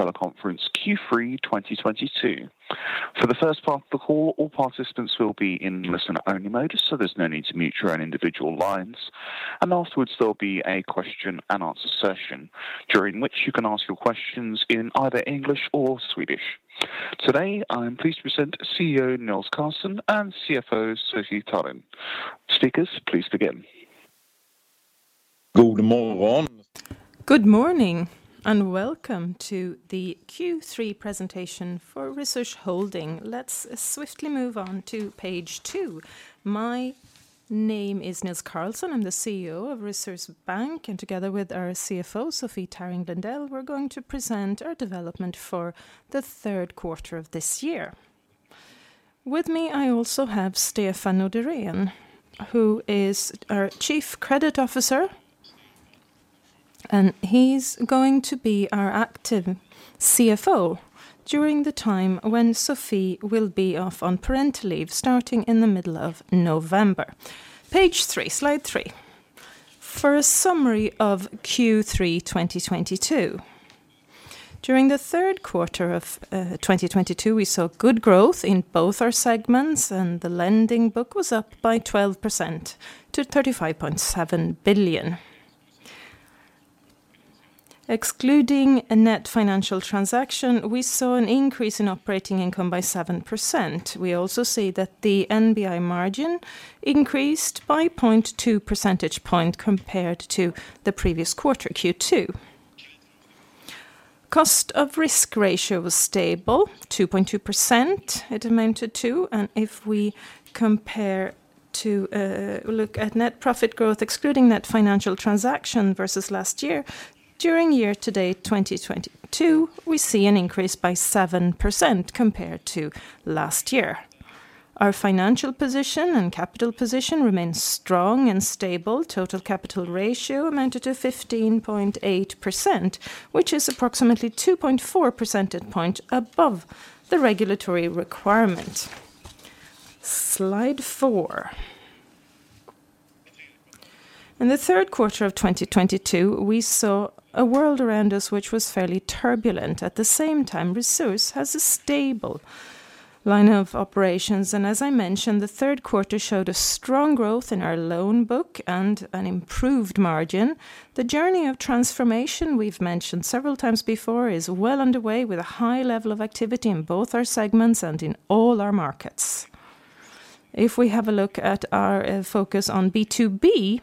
Teleconference Q3 2022. For the first part of the call, all participants will be in listen-only mode, so there's no need to mute your own individual lines. Afterwards, there'll be a question-and-answer session during which you can ask your questions in either English or Swedish. Today, I am pleased to present CEO Nils Carlsson and CFO Sofie Tarring Lindell. Speakers, please begin. Good morning, and welcome to the Q3 presentation for Resurs Holding. Let's swiftly move on to page two. My name is Nils Carlsson. I'm the CEO of Resurs Bank, and together with our CFO, Sofie Tarring Lindell, we're going to present our development for the third quarter of this year. With me, I also have Stefan Noderén, who is our Chief Credit Officer, and he's going to be our active CFO during the time when Sofie will be off on parental leave starting in the middle of November. Page three, slide three. For a summary of Q3 2022, during the third quarter of 2022, we saw good growth in both our segments, and the lending book was up by 12% to 35.7 billion. Excluding a net financial transaction, we saw an increase in operating income by 7%. We also see that the NBI margin increased by 0.2 percentage point compared to the previous quarter, Q2. Cost of risk ratio was stable, 2.2% it amounted to. If we look at net profit growth, excluding net financial transaction versus last year, during year-to-date 2022, we see an increase by 7% compared to last year. Our financial position and capital position remains strong and stable. Total capital ratio amounted to 15.8%, which is approximately 2.4 percentage point above the regulatory requirement. Slide four. In the third quarter of 2022, we saw a world around us which was fairly turbulent. At the same time, Resurs has a stable line of operations. As I mentioned, the third quarter showed a strong growth in our loan book and an improved margin. The journey of transformation we've mentioned several times before is well underway with a high level of activity in both our segments and in all our markets. If we have a look at our focus on B2B,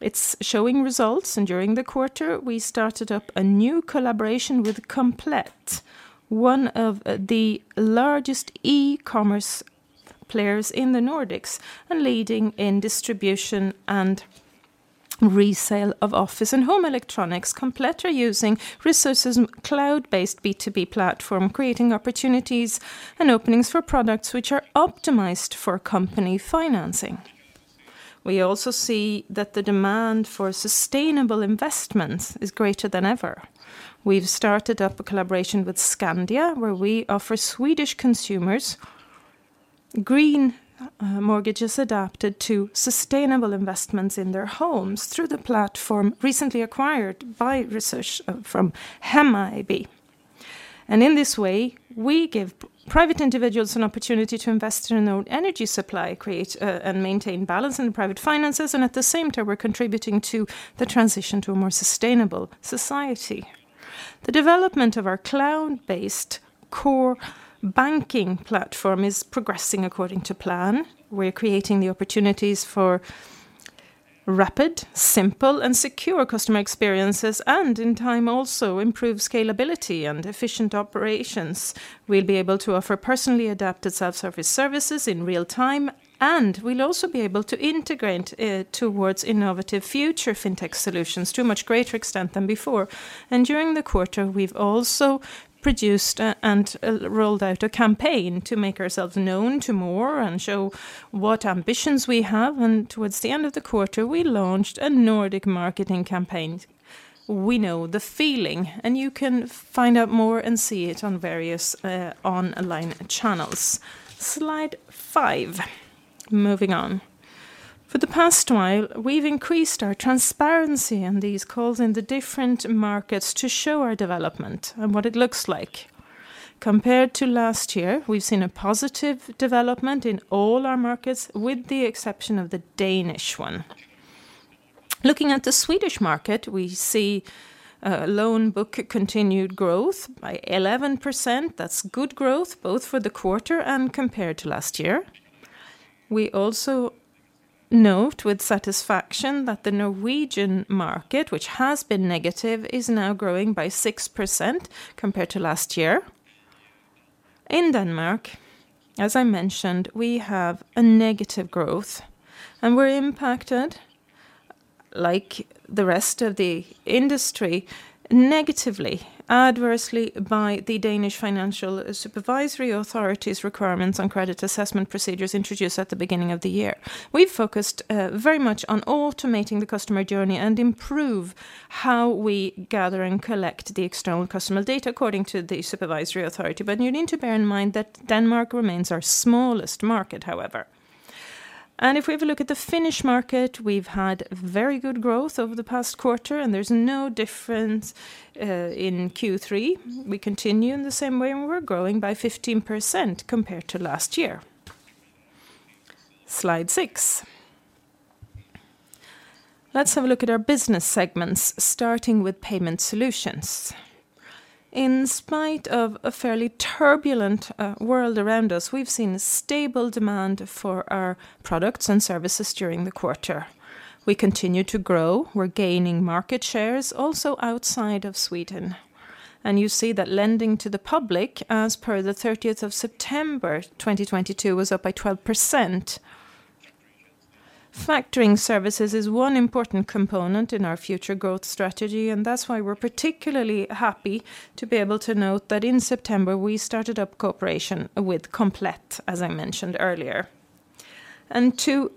it's showing results. During the quarter, we started up a new collaboration with Komplett, one of the largest e-commerce players in the Nordics and leading in distribution and resale of office and home electronics. Komplett are using Resurs' cloud-based B2B platform, creating opportunities and openings for products which are optimized for company financing. We also see that the demand for sustainable investments is greater than ever. We've started up a collaboration with Skandia, where we offer Swedish consumers green mortgages adapted to sustainable investments in their homes through the platform recently acquired by Resurs from Hemma AB. In this way, we give private individuals an opportunity to invest in their own energy supply, create, and maintain balance in private finances, and at the same time, we're contributing to the transition to a more sustainable society. The development of our cloud-based core banking platform is progressing according to plan. We're creating the opportunities for rapid, simple, and secure customer experiences and in time also improve scalability and efficient operations. We'll be able to offer personally adapted self-service services in real time, and we'll also be able to integrate towards innovative future fintech solutions to a much greater extent than before. During the quarter, we've also produced and rolled out a campaign to make ourselves known to more and show what ambitions we have. Towards the end of the quarter, we launched a Nordic marketing campaign, We Know the Feeling, and you can find out more and see it on various online channels. Slide five. Moving on. For the past while, we've increased our transparency on these calls in the different markets to show our development and what it looks like. Compared to last year, we've seen a positive development in all our markets with the exception of the Danish one. Looking at the Swedish market, we see a loan book continued growth by 11%. That's good growth both for the quarter and compared to last year. We also note with satisfaction that the Norwegian market, which has been negative, is now growing by 6% compared to last year. In Denmark, as I mentioned, we have a negative growth, and we're impacted, like the rest of the industry, negatively, adversely by the Danish Financial Supervisory Authority's requirements on credit assessment procedures introduced at the beginning of the year. We focused very much on automating the customer journey and improve how we gather and collect the external customer data according to the supervisory authority. You need to bear in mind that Denmark remains our smallest market, however. If we have a look at the Finnish market, we've had very good growth over the past quarter, and there's no difference in Q3. We continue in the same way and we're growing by 15% compared to last year. Slide six. Let's have a look at our business segments, starting with Payment Solutions. In spite of a fairly turbulent world around us, we've seen stable demand for our products and services during the quarter. We continue to grow. We're gaining market shares also outside of Sweden. You see that lending to the public as per the 30th of September 2022 was up by 12%. Factoring services is one important component in our future growth strategy, and that's why we're particularly happy to be able to note that in September we started up cooperation with Komplett, as I mentioned earlier. To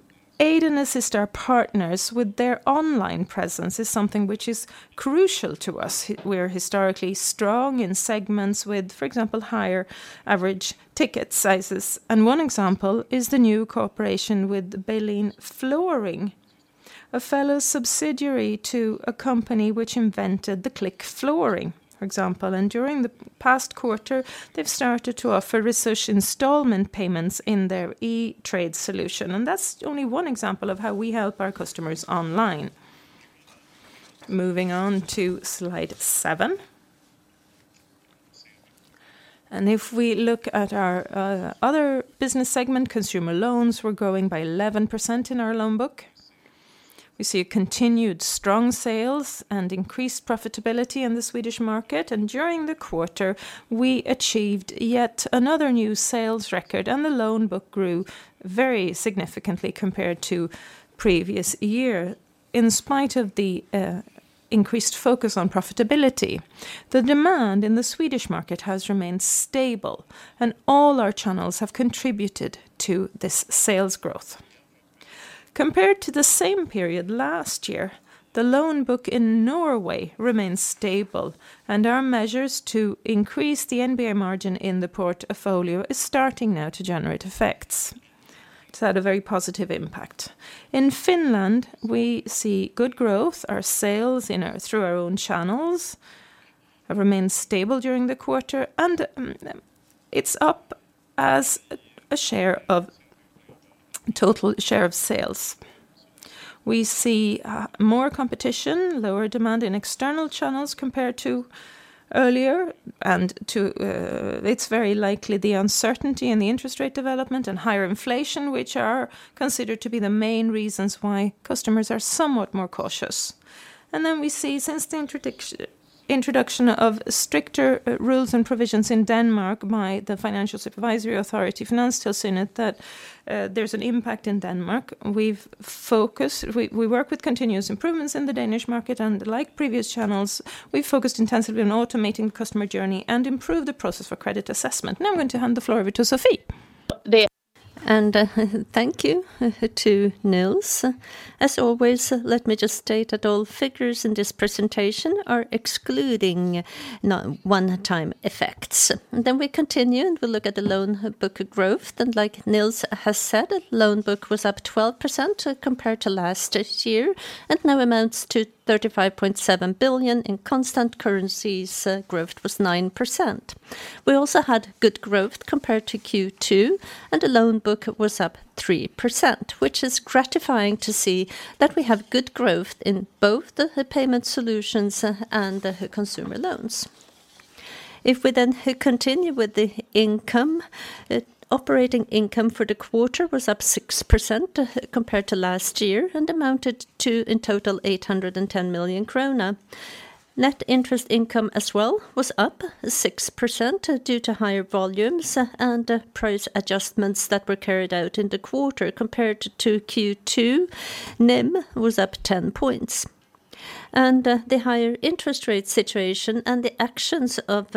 aid and assist our partners with their online presence is something which is crucial to us. We're historically strong in segments with, for example, higher average ticket sizes. One example is the new cooperation with Välinge Flooring, a fellow subsidiary to a company which invented the click flooring, for example. During the past quarter, they've started to offer Resurs installment payments in their e-trade solution. That's only one example of how we help our customers online. Moving on to slide seven. If we look at our other business segment, Consumer Loans were growing by 11% in our loan book. We see continued strong sales and increased profitability in the Swedish market. During the quarter, we achieved yet another new sales record, and the loan book grew very significantly compared to previous year. In spite of the increased focus on profitability, the demand in the Swedish market has remained stable, and all our channels have contributed to this sales growth. Compared to the same period last year, the loan book in Norway remains stable, and our measures to increase the NBI margin in the portfolio is starting now to generate effects. It's had a very positive impact. In Finland, we see good growth. Our sales through our own channels have remained stable during the quarter, and it's up as a total share of sales. We see more competition, lower demand in external channels compared to earlier. It's very likely the uncertainty in the interest rate development and higher inflation, which are considered to be the main reasons why customers are somewhat more cautious. We see since the introduction of stricter rules and provisions in Denmark by the Danish Financial Supervisory Authority, Finanstilsynet, that there's an impact in Denmark. We work with continuous improvements in the Danish market, and like previous channels, we focused intensively on automating the customer journey and improve the process for credit assessment. Now I'm going to hand the floor over to Sofie. Thank you to Nils. As always, let me just state that all figures in this presentation are excluding one-time effects. We continue, and we look at the loan book growth. Like Nils has said, loan book was up 12% compared to last year and now amounts to 35.7 billion. In constant currencies, growth was 9%. We also had good growth compared to Q2, and the loan book was up 3%, which is gratifying to see that we have good growth in both the Payment Solutions and the Consumer Loans. If we continue with the income, operating income for the quarter was up 6% compared to last year and amounted to, in total, 810 million kronor. Net interest income as well was up 6% due to higher volumes and price adjustments that were carried out in the quarter. Compared to Q2, NIM was up 10 points. The higher interest rate situation and the actions of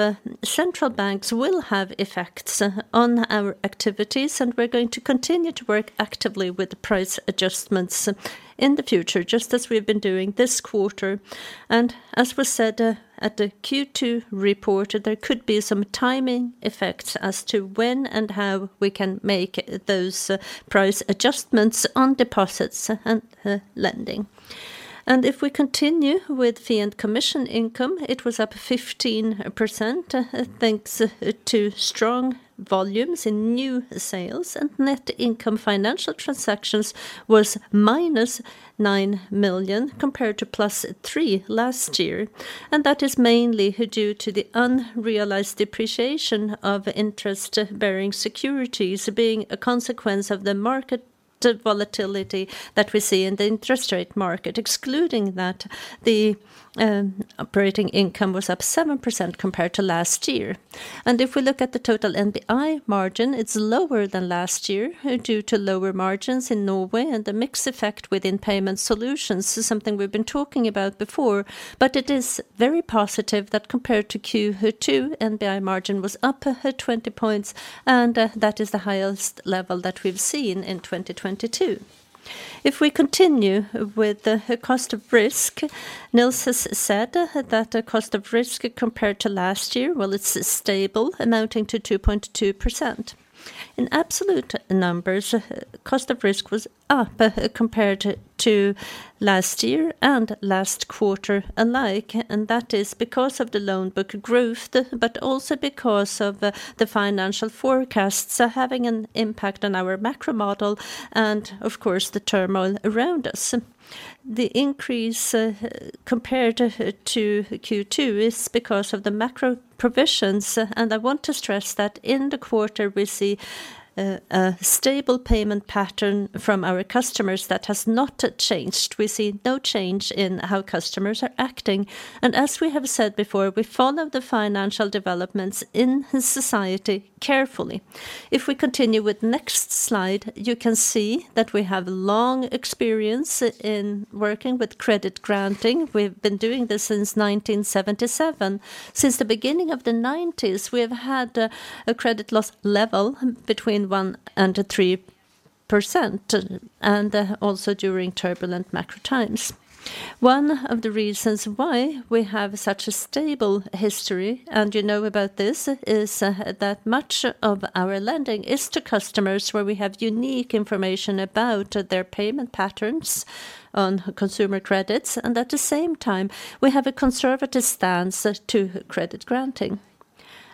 central banks will have effects on our activities, and we're going to continue to work actively with the price adjustments in the future, just as we have been doing this quarter. As was said at the Q2 report, there could be some timing effects as to when and how we can make those price adjustments on deposits and lending. If we continue with fee and commission income, it was up 15%, thanks to strong volumes in new sales. Net income from financial transactions was -9 million compared to +3 million last year. That is mainly due to the unrealized depreciation of interest-bearing securities being a consequence of the market volatility that we see in the interest rate market. Excluding that, the operating income was up 7% compared to last year. If we look at the total NBI margin, it's lower than last year due to lower margins in Norway and the mix effect within payment solutions is something we've been talking about before. It is very positive that compared to Q2, NBI margin was up 20 points, and that is the highest level that we've seen in 2022. If we continue with the cost of risk, Nils has said that the cost of risk compared to last year, well, it's stable, amounting to 2.2%. In absolute numbers, cost of risk was up compared to last year and last quarter alike, and that is because of the loan book growth, but also because of the financial forecasts are having an impact on our macro model and of course, the turmoil around us. The increase compared to Q2 is because of the macro provisions, and I want to stress that in the quarter we see a stable payment pattern from our customers that has not changed. We see no change in how customers are acting. As we have said before, we follow the financial developments in society carefully. If we continue with next slide, you can see that we have long experience in working with credit granting. We've been doing this since 1977. Since the beginning of the 1990s, we have had a credit loss level between 1% and 3%, and also during turbulent macro times. One of the reasons why we have such a stable history, and you know about this, is that much of our lending is to customers where we have unique information about their payment patterns on consumer credits, and at the same time, we have a conservative stance to credit granting.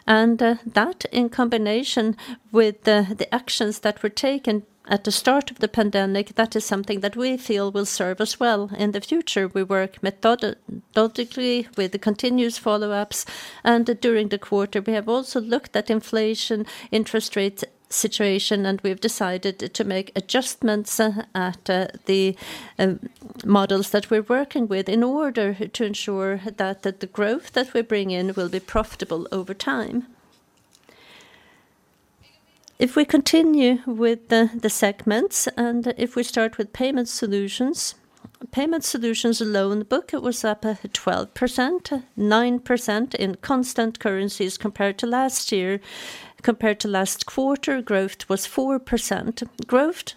That in combination with the actions that were taken at the start of the pandemic, that is something that we feel will serve us well in the future. We work methodically with the continuous follow-ups, and during the quarter, we have also looked at inflation interest rate situation, and we've decided to make adjustments at the models that we're working with in order to ensure that the growth that we bring in will be profitable over time. If we continue with the segments, and if we start with Payment Solutions. Payment Solutions loan book, it was up 12%, 9% in constant currencies compared to last year. Compared to last quarter, growth was 4%. Growth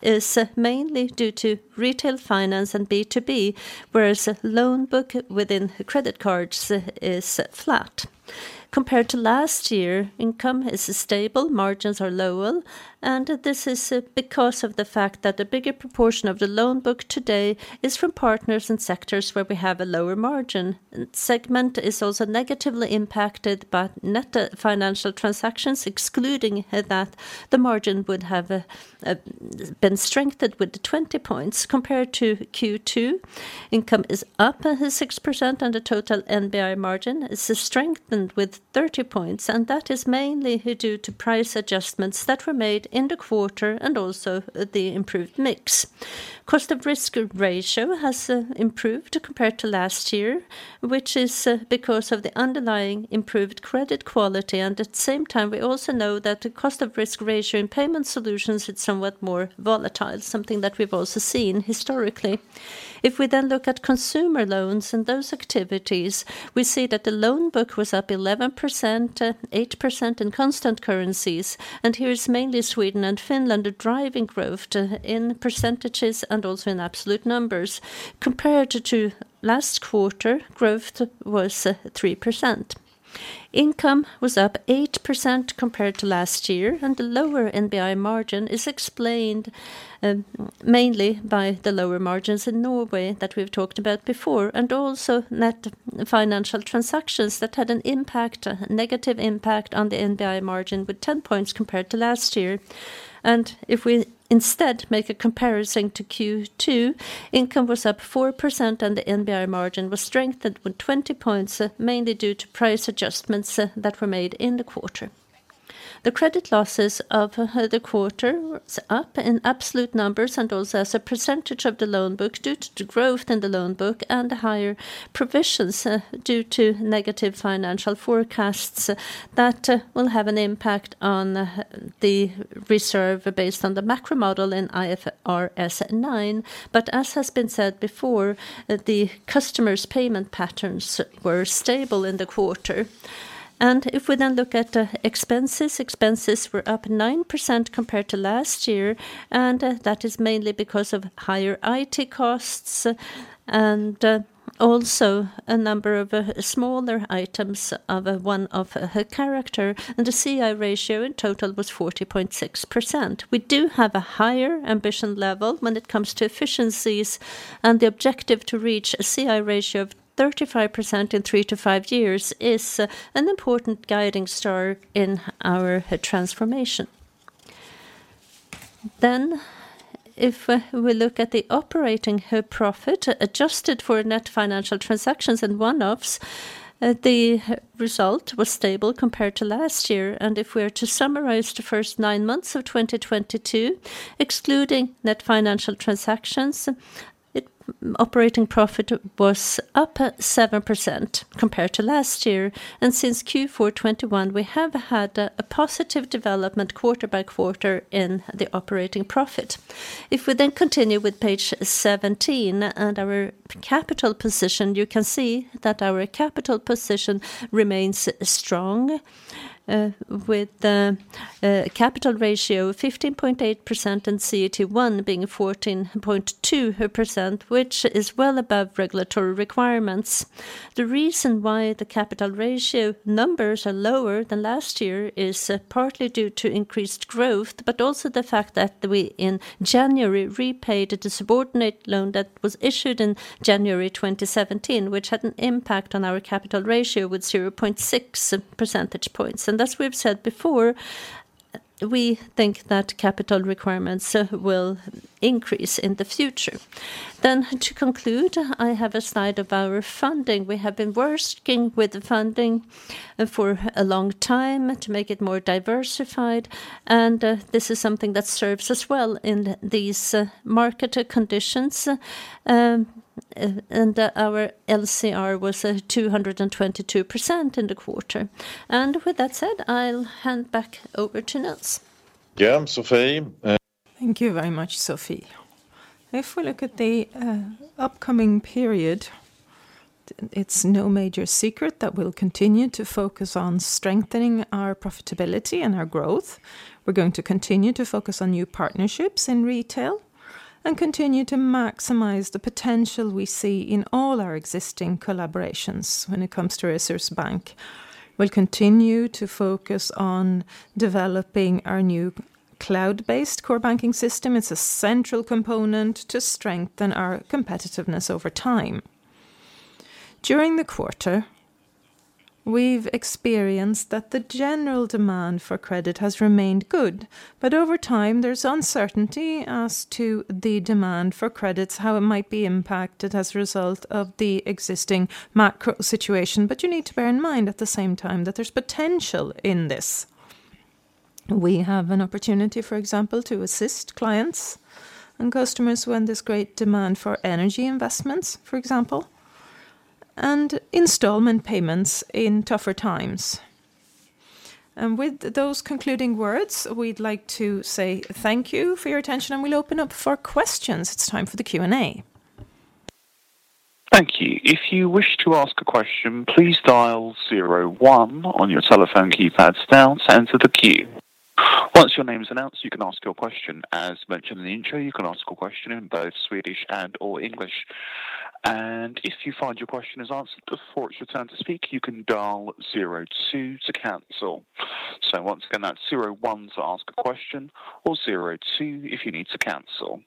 is mainly due to retail finance and B2B, whereas loan book within credit cards is flat. Compared to last year, income is stable, margins are lower, and this is because of the fact that the bigger proportion of the loan book today is from partners and sectors where we have a lower margin. Segment is also negatively impacted by net financial transactions. Excluding that, the margin would have been strengthened with 20 points compared to Q2. Income is up 6% and the total NBI margin is strengthened with 30 points, and that is mainly due to price adjustments that were made in the quarter and also the improved mix. Cost of risk ratio has improved compared to last year, which is because of the underlying improved credit quality. At the same time, we also know that the cost of risk ratio in Payment Solutions is somewhat more volatile, something that we've also seen historically. If we then look at Consumer Loans and those activities, we see that the loan book was up 11%, 8% in constant currencies, and here is mainly Sweden and Finland are driving growth in percentages and also in absolute numbers. Compared to last quarter, growth was 3%. Income was up 8% compared to last year, and the lower NBI margin is explained mainly by the lower margins in Norway that we've talked about before, and also net financial transactions that had an impact, a negative impact on the NBI margin with 10 points compared to last year. If we instead make a comparison to Q2, income was up 4% and the NBI margin was strengthened with 20 points, mainly due to price adjustments that were made in the quarter. The credit losses of the quarter was up in absolute numbers and also as a percentage of the loan book due to growth in the loan book and higher provisions due to negative financial forecasts that will have an impact on the reserve based on the macro model in IFRS 9. as has been said before, the customers' payment patterns were stable in the quarter. If we then look at expenses were up 9% compared to last year, and that is mainly because of higher IT costs and also a number of smaller items of one-off character and the C/I ratio in total was 40.6%. We do have a higher ambition level when it comes to efficiencies, and the objective to reach a C/I ratio of 35% in three to five years is an important guiding star in our transformation. If we look at the operating profit adjusted for net financial transactions and one-offs, the result was stable compared to last year. If we are to summarize the first nine months of 2022, excluding net financial transactions, operating profit was up 7% compared to last year. Since Q4 2021, we have had a positive development quarter by quarter in the operating profit. If we then continue with page 17 and our capital position, you can see that our capital position remains strong, with a capital ratio 15.8% and CET1 being 14.2%, which is well above regulatory requirements. The reason why the capital ratio numbers are lower than last year is partly due to increased growth, but also the fact that we in January repaid a subordinate loan that was issued in January 2017, which had an impact on our capital ratio with 0.6 percentage points. As we've said before We think that capital requirements will increase in the future. To conclude, I have a slide of our funding. We have been working with the funding for a long time to make it more diversified, and this is something that serves us well in these market conditions. Our LCR was 222% in the quarter. With that said, I'll hand back over to Nils. Thank you very much, Sofie. If we look at the upcoming period, it's no major secret that we'll continue to focus on strengthening our profitability and our growth. We're going to continue to focus on new partnerships in retail and continue to maximize the potential we see in all our existing collaborations when it comes to Resurs Bank. We'll continue to focus on developing our new cloud-based core banking system. It's a central component to strengthen our competitiveness over time. During the quarter, we've experienced that the general demand for credit has remained good, but over time there's uncertainty as to the demand for credits, how it might be impacted as a result of the existing macro situation. You need to bear in mind at the same time that there's potential in this. We have an opportunity, for example, to assist clients and customers when there's great demand for energy investments, for example, and installment payments in tougher times. With those concluding words, we'd like to say thank you for your attention and we'll open up for questions. It's time for the Q&A. Thank you. If you wish to ask a question, please dial zero one on your telephone keypads now to enter the queue. Once your name is announced, you can ask your question. As mentioned in the intro, you can ask a question in both Swedish and/or English. If you find your question is answered before it's your turn to speak, you can dial zero two to cancel. Once again, that's zero one to ask a question or zero two if you need to cancel.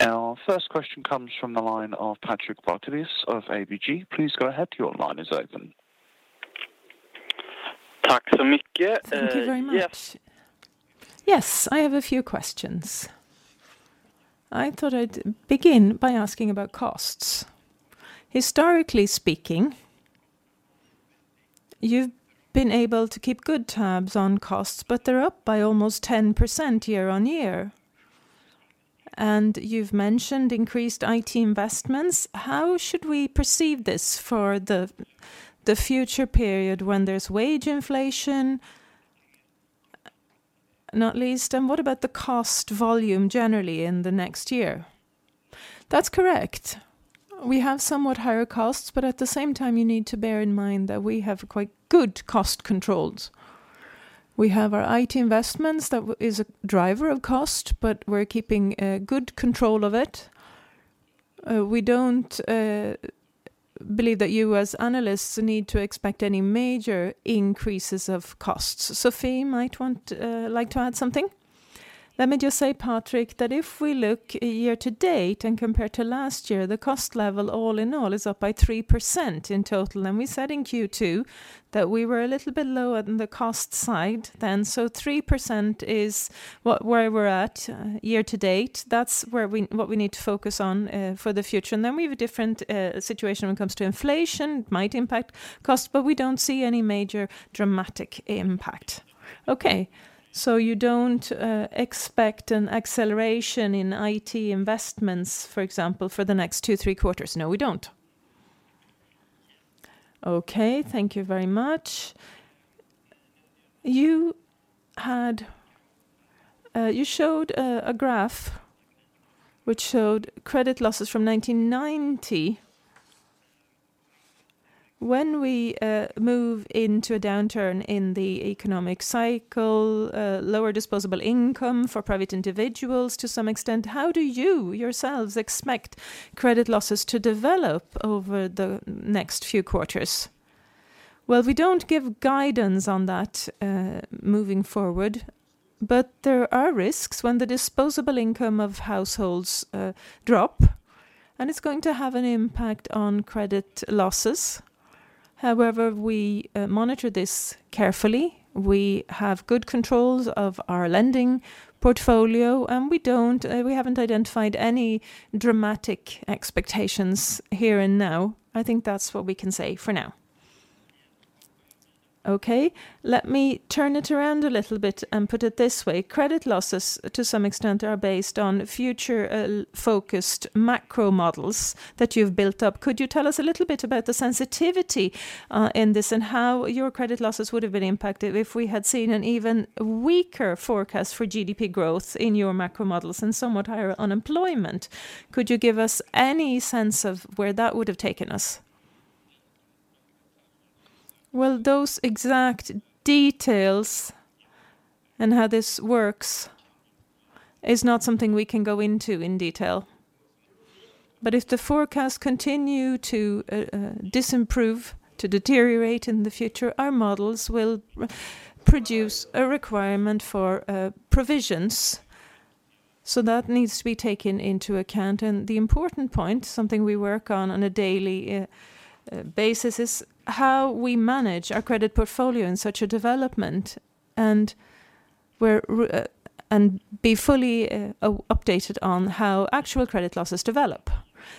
Our first question comes from the line of Patrik Brattelius of ABG. Please go ahead. Your line is open. Thank you very much. Yes. I have a few questions. I thought I'd begin by asking about costs. Historically speaking, you've been able to keep good tabs on costs, but they're up by almost 10% year-on-year. You've mentioned increased IT investments. How should we perceive this for the future period when there's wage inflation? Not least, what about the cost volume generally in the next year? That's correct. We have somewhat higher costs, but at the same time, you need to bear in mind that we have quite good cost controls. We have our IT investments that is a driver of cost, but we're keeping good control of it. We don't believe that you as analysts need to expect any major increases of costs. Sofie might want like to add something. Let me just say, Patrik, that if we look year to date and compare to last year, the cost level all in all is up by 3% in total. We said in Q2 that we were a little bit lower than the cost side then. 3% is where we're at year to date. That's what we need to focus on for the future. We have a different situation when it comes to inflation. It might impact cost, but we don't see any major dramatic impact. You don't expect an acceleration in IT investments, for example, for the next two to three quarters? No, we don't. Okay. Thank you very much. You showed a graph which showed credit losses from 1990. When we move into a downturn in the economic cycle, lower disposable income for private individuals to some extent, how do you yourselves expect credit losses to develop over the next few quarters? Well, we don't give guidance on that moving forward, but there are risks when the disposable income of households drop, and it's going to have an impact on credit losses. However, we monitor this carefully. We have good controls of our lending portfolio, and we haven't identified any dramatic expectations here and now. I think that's what we can say for now. Okay. Let me turn it around a little bit and put it this way. Credit losses to some extent are based on future focused macro models that you've built up. Could you tell us a little bit about the sensitivity in this and how your credit losses would have been impacted if we had seen an even weaker forecast for GDP growth in your macro models and somewhat higher unemployment? Could you give us any sense of where that would have taken us? Well, those exact details and how this works is not something we can go into in detail. But if the forecasts continue to disimprove, to deteriorate in the future, our models will produce a requirement for provisions. That needs to be taken into account. The important point, something we work on a daily basis, is how we manage our credit portfolio in such a development and be fully updated on how actual credit losses develop.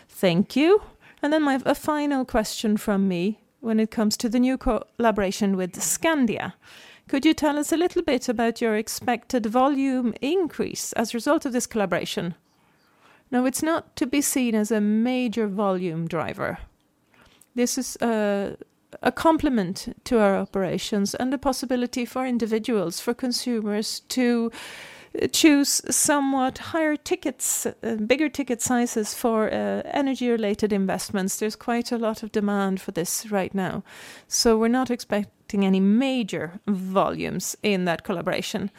Thank you. A final question from me when it comes to the new collaboration with Skandia. Could you tell us a little bit about your expected volume increase as a result of this collaboration? No, it's not to be seen as a major volume driver. This is a complement to our operations and a possibility for individuals, for consumers to choose somewhat higher tickets, bigger ticket sizes for energy-related investments. There's quite a lot of demand for this right now. We're not expecting any major volumes in that collaboration.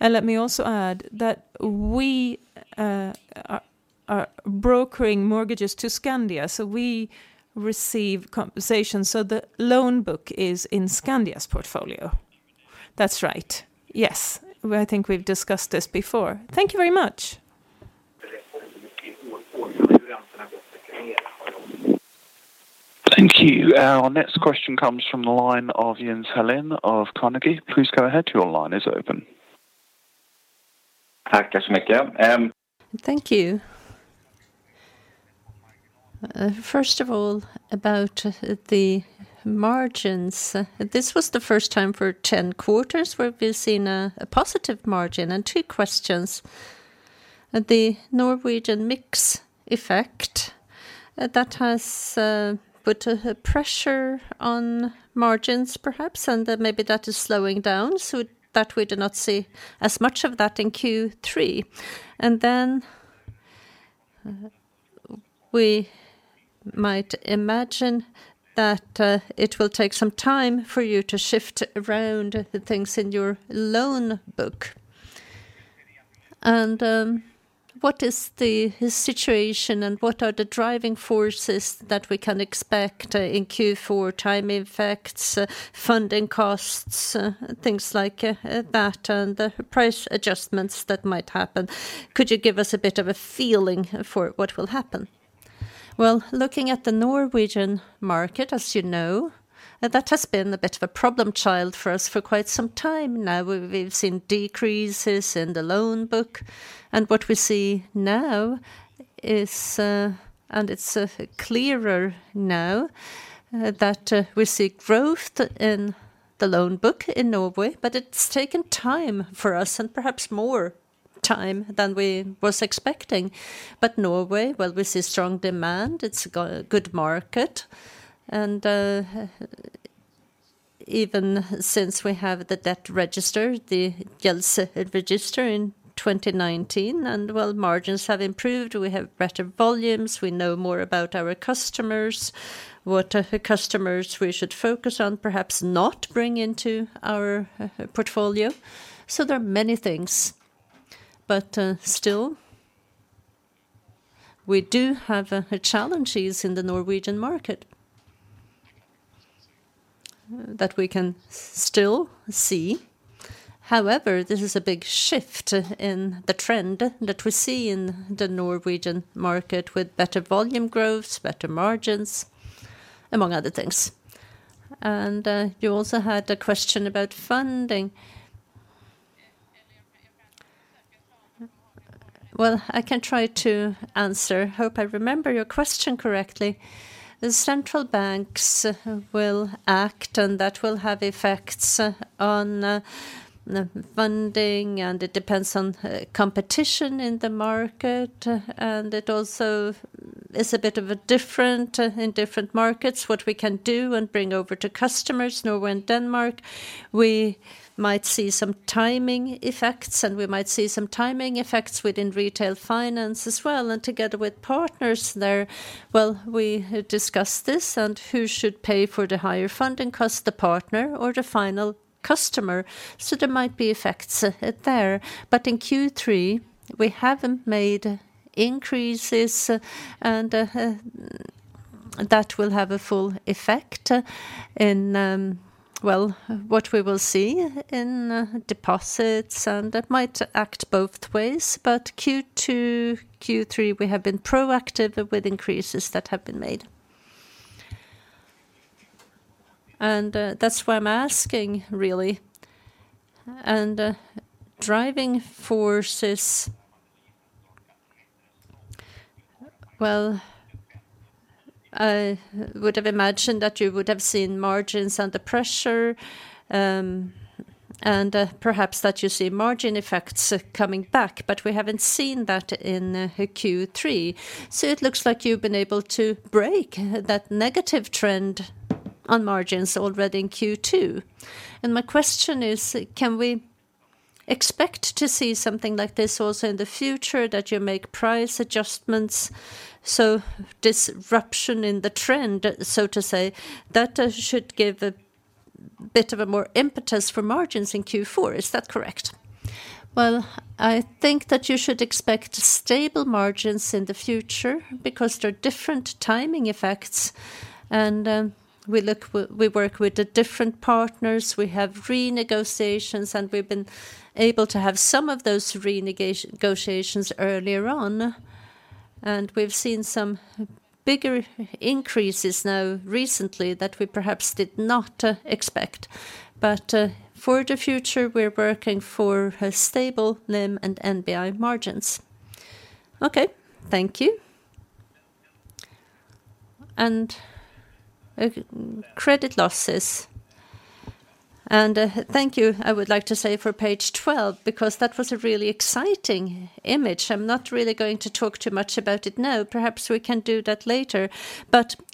Let me also add that we are brokering mortgages to Skandia, so we receive compensation. The loan book is in Skandia's portfolio. That's right. Yes. I think we've discussed this before. Thank you very much. Thank you. Our next question comes from the line of Jens Hallén of Carnegie. Please go ahead, your line is open. Thank you. First of all, about the margins. This was the first time for 10 quarters where we've seen a positive margin, and two questions. The Norwegian mix effect that has put a pressure on margins perhaps, and maybe that is slowing down so that we do not see as much of that in Q3. We might imagine that it will take some time for you to shift around the things in your loan book. What is the situation and what are the driving forces that we can expect in Q4, time effects, funding costs, things like that, and the price adjustments that might happen? Could you give us a bit of a feeling for what will happen? Well, looking at the Norwegian market, as you know, that has been a bit of a problem child for us for quite some time now. We've seen decreases in the loan book. What we see now is clearer now that we see growth in the loan book in Norway, but it's taken time for us and perhaps more time than we was expecting. Norway, well, we see strong demand. It's a good market. Ever since we have the debt register, the Gjeldsregisteret, in 2019, and while margins have improved, we have better volumes, we know more about our customers, what customers we should focus on, perhaps not bring into our portfolio. There are many things. Still we do have challenges in the Norwegian market that we can still see. However, this is a big shift in the trend that we see in the Norwegian market with better volume growth, better margins, among other things. You also had a question about funding. Well, I can try to answer. Hope I remember your question correctly. The central banks will act, and that will have effects on the funding, and it depends on competition in the market. It also is a bit of a different in different markets, what we can do and bring over to customers, Norway and Denmark. We might see some timing effects, and we might see some timing effects within retail finance as well. Together with partners there, well, we discuss this and who should pay for the higher funding cost, the partner or the final customer. There might be effects there. in Q3, we haven't made increases, and that will have a full effect in, well, what we will see in deposits, and that might act both ways. Q2, Q3, we have been proactive with increases that have been made. that's why I'm asking really. driving forces, well, I would have imagined that you would have seen margins under pressure, and perhaps that you see margin effects coming back, but we haven't seen that in Q3. it looks like you've been able to break that negative trend on margins already in Q2. my question is, can we expect to see something like this also in the future, that you make price adjustments, so disruption in the trend, so to say, that should give a bit of a more impetus for margins in Q4? Is that correct? Well, I think that you should expect stable margins in the future because there are different timing effects. We work with the different partners. We have renegotiations, and we've been able to have some of those renegotiations earlier on. We've seen some bigger increases now recently that we perhaps did not expect. For the future, we're working for a stable NIM and NBI margins. Okay, thank you. Credit losses. Thank you, I would like to say, for page 12 because that was a really exciting image. I'm not really going to talk too much about it now. Perhaps we can do that later.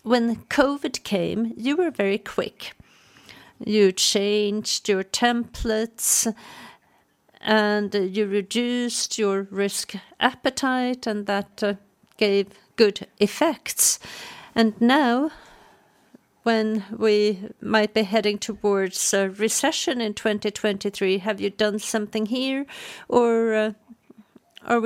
When COVID came, you were very quick. You changed your templates, and you reduced your risk appetite, and that gave good effects. Now, when we might be heading towards a recession in 2023, have you done something here or are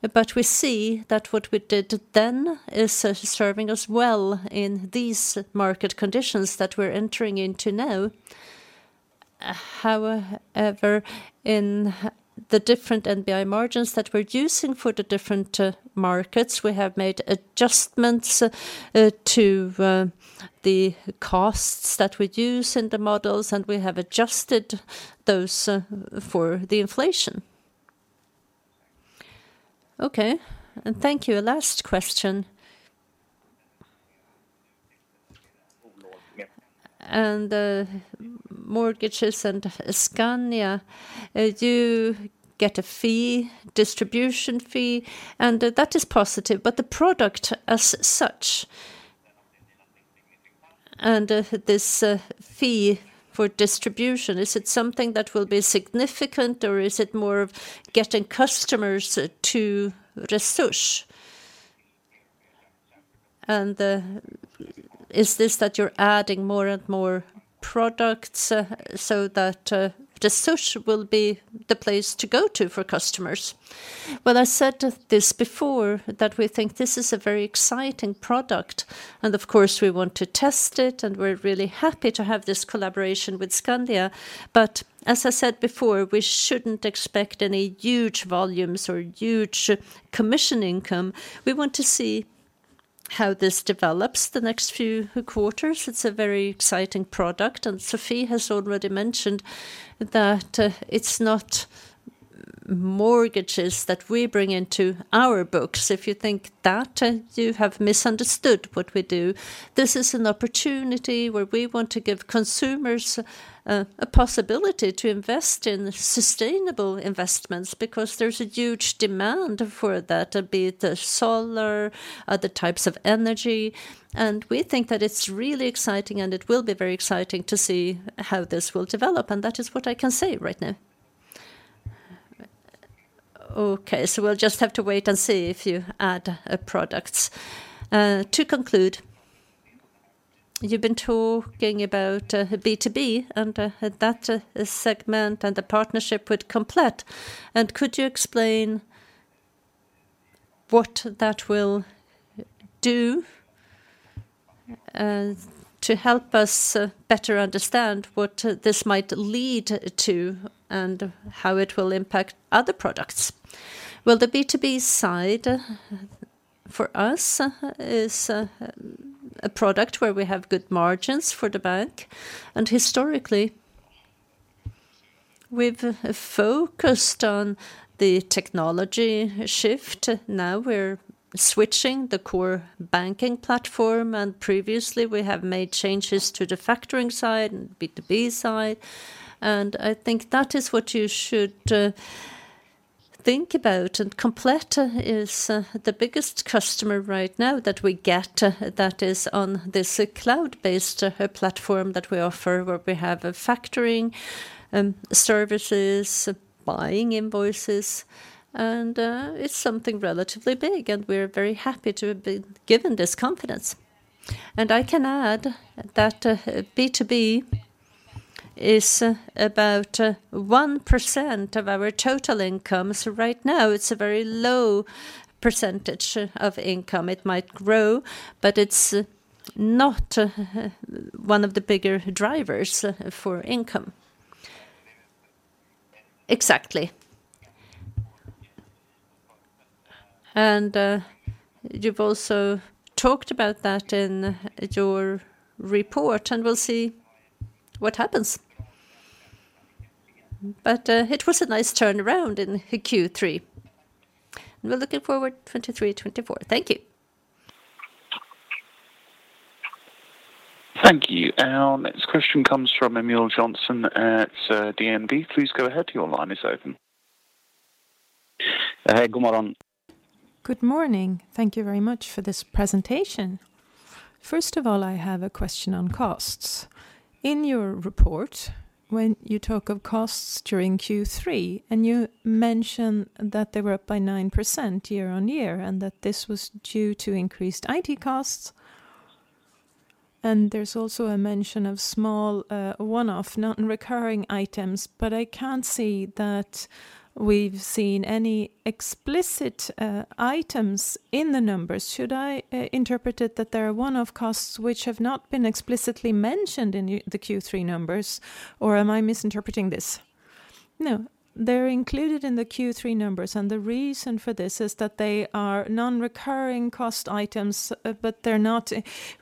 we talking about the changes that were made previously and you think they suffice for the future? Well, we haven't really made any changes now similar to what we did when we entered into the pandemic. We see that what we did then is serving us well in these market conditions that we're entering into now. However, in the different NBI margins that we're using for the different markets, we have made adjustments to the costs that we use in the models, and we have adjusted those for the inflation. Okay. Thank you. Last question. Oh, Lord. Yeah. Mortgages and Skandia, you get a fee, distribution fee, and that is positive. The product as such and this fee for distribution, is it something that will be significant or is it more of getting customers to Resurs? Is this that you're adding more and more products so that Resurs will be the place to go to for customers? Well, I said this before that we think this is a very exciting product. Of course, we want to test it, and we're really happy to have this collaboration with Skandia. As I said before, we shouldn't expect any huge volumes or huge commission income. We want to see how this develops the next few quarters. It's a very exciting product. Sofie has already mentioned that it's not mortgages that we bring into our books. If you think that, you have misunderstood what we do. This is an opportunity where we want to give consumers a possibility to invest in sustainable investments because there's a huge demand for that, be it solar, other types of energy. We think that it's really exciting, and it will be very exciting to see how this will develop. That is what I can say right now. Okay. We'll just have to wait and see if you add products. To conclude, you've been talking about B2B and that segment and the partnership with Komplett. Could you explain what that will do, to help us better understand what this might lead to and how it will impact other products? Well, the B2B side for us is a product where we have good margins for the bank. Historically, we've focused on the technology shift. Now we're switching the core banking platform, and previously we have made changes to the factoring side and B2B side. I think that is what you should think about. Komplett is the biggest customer right now that we get that is on this cloud-based platform that we offer, where we have factoring services, buying invoices, and it's something relatively big, and we're very happy to have been given this confidence. I can add that B2B is about 1% of our total income right now. It's a very low percentage of income. It might grow, but it's not one of the bigger drivers for income. Exactly. You've also talked about that in your report, and we'll see what happens. It was a nice turnaround in Q3. We're looking forward to 2023 and 2024. Thank you. Thank you. Our next question comes from Emil Jönsson at DNB. Please go ahead. Your line is open. Good morning. Thank you very much for this presentation. First of all, I have a question on costs. In your report, when you talk of costs during Q3, you mentioned that they were up by 9% year-over-year, and that this was due to increased IT costs. There's also a mention of small, one-off non-recurring items, but I can't see that we've seen any explicit items in the numbers. Should I interpret it that there are one-off costs which have not been explicitly mentioned in the Q3 numbers, or am I misinterpreting this? No, they're included in the Q3 numbers, and the reason for this is that they are non-recurring cost items, but they're not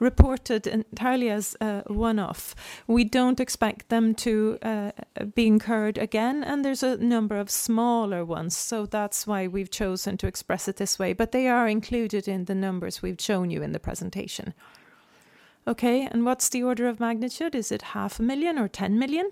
reported entirely as one-off. We don't expect them to be incurred again, and there's a number of smaller ones. That's why we've chosen to express it this way, but they are included in the numbers we've shown you in the presentation. Okay. What's the order of magnitude? Is it 0.5 million or 10 million?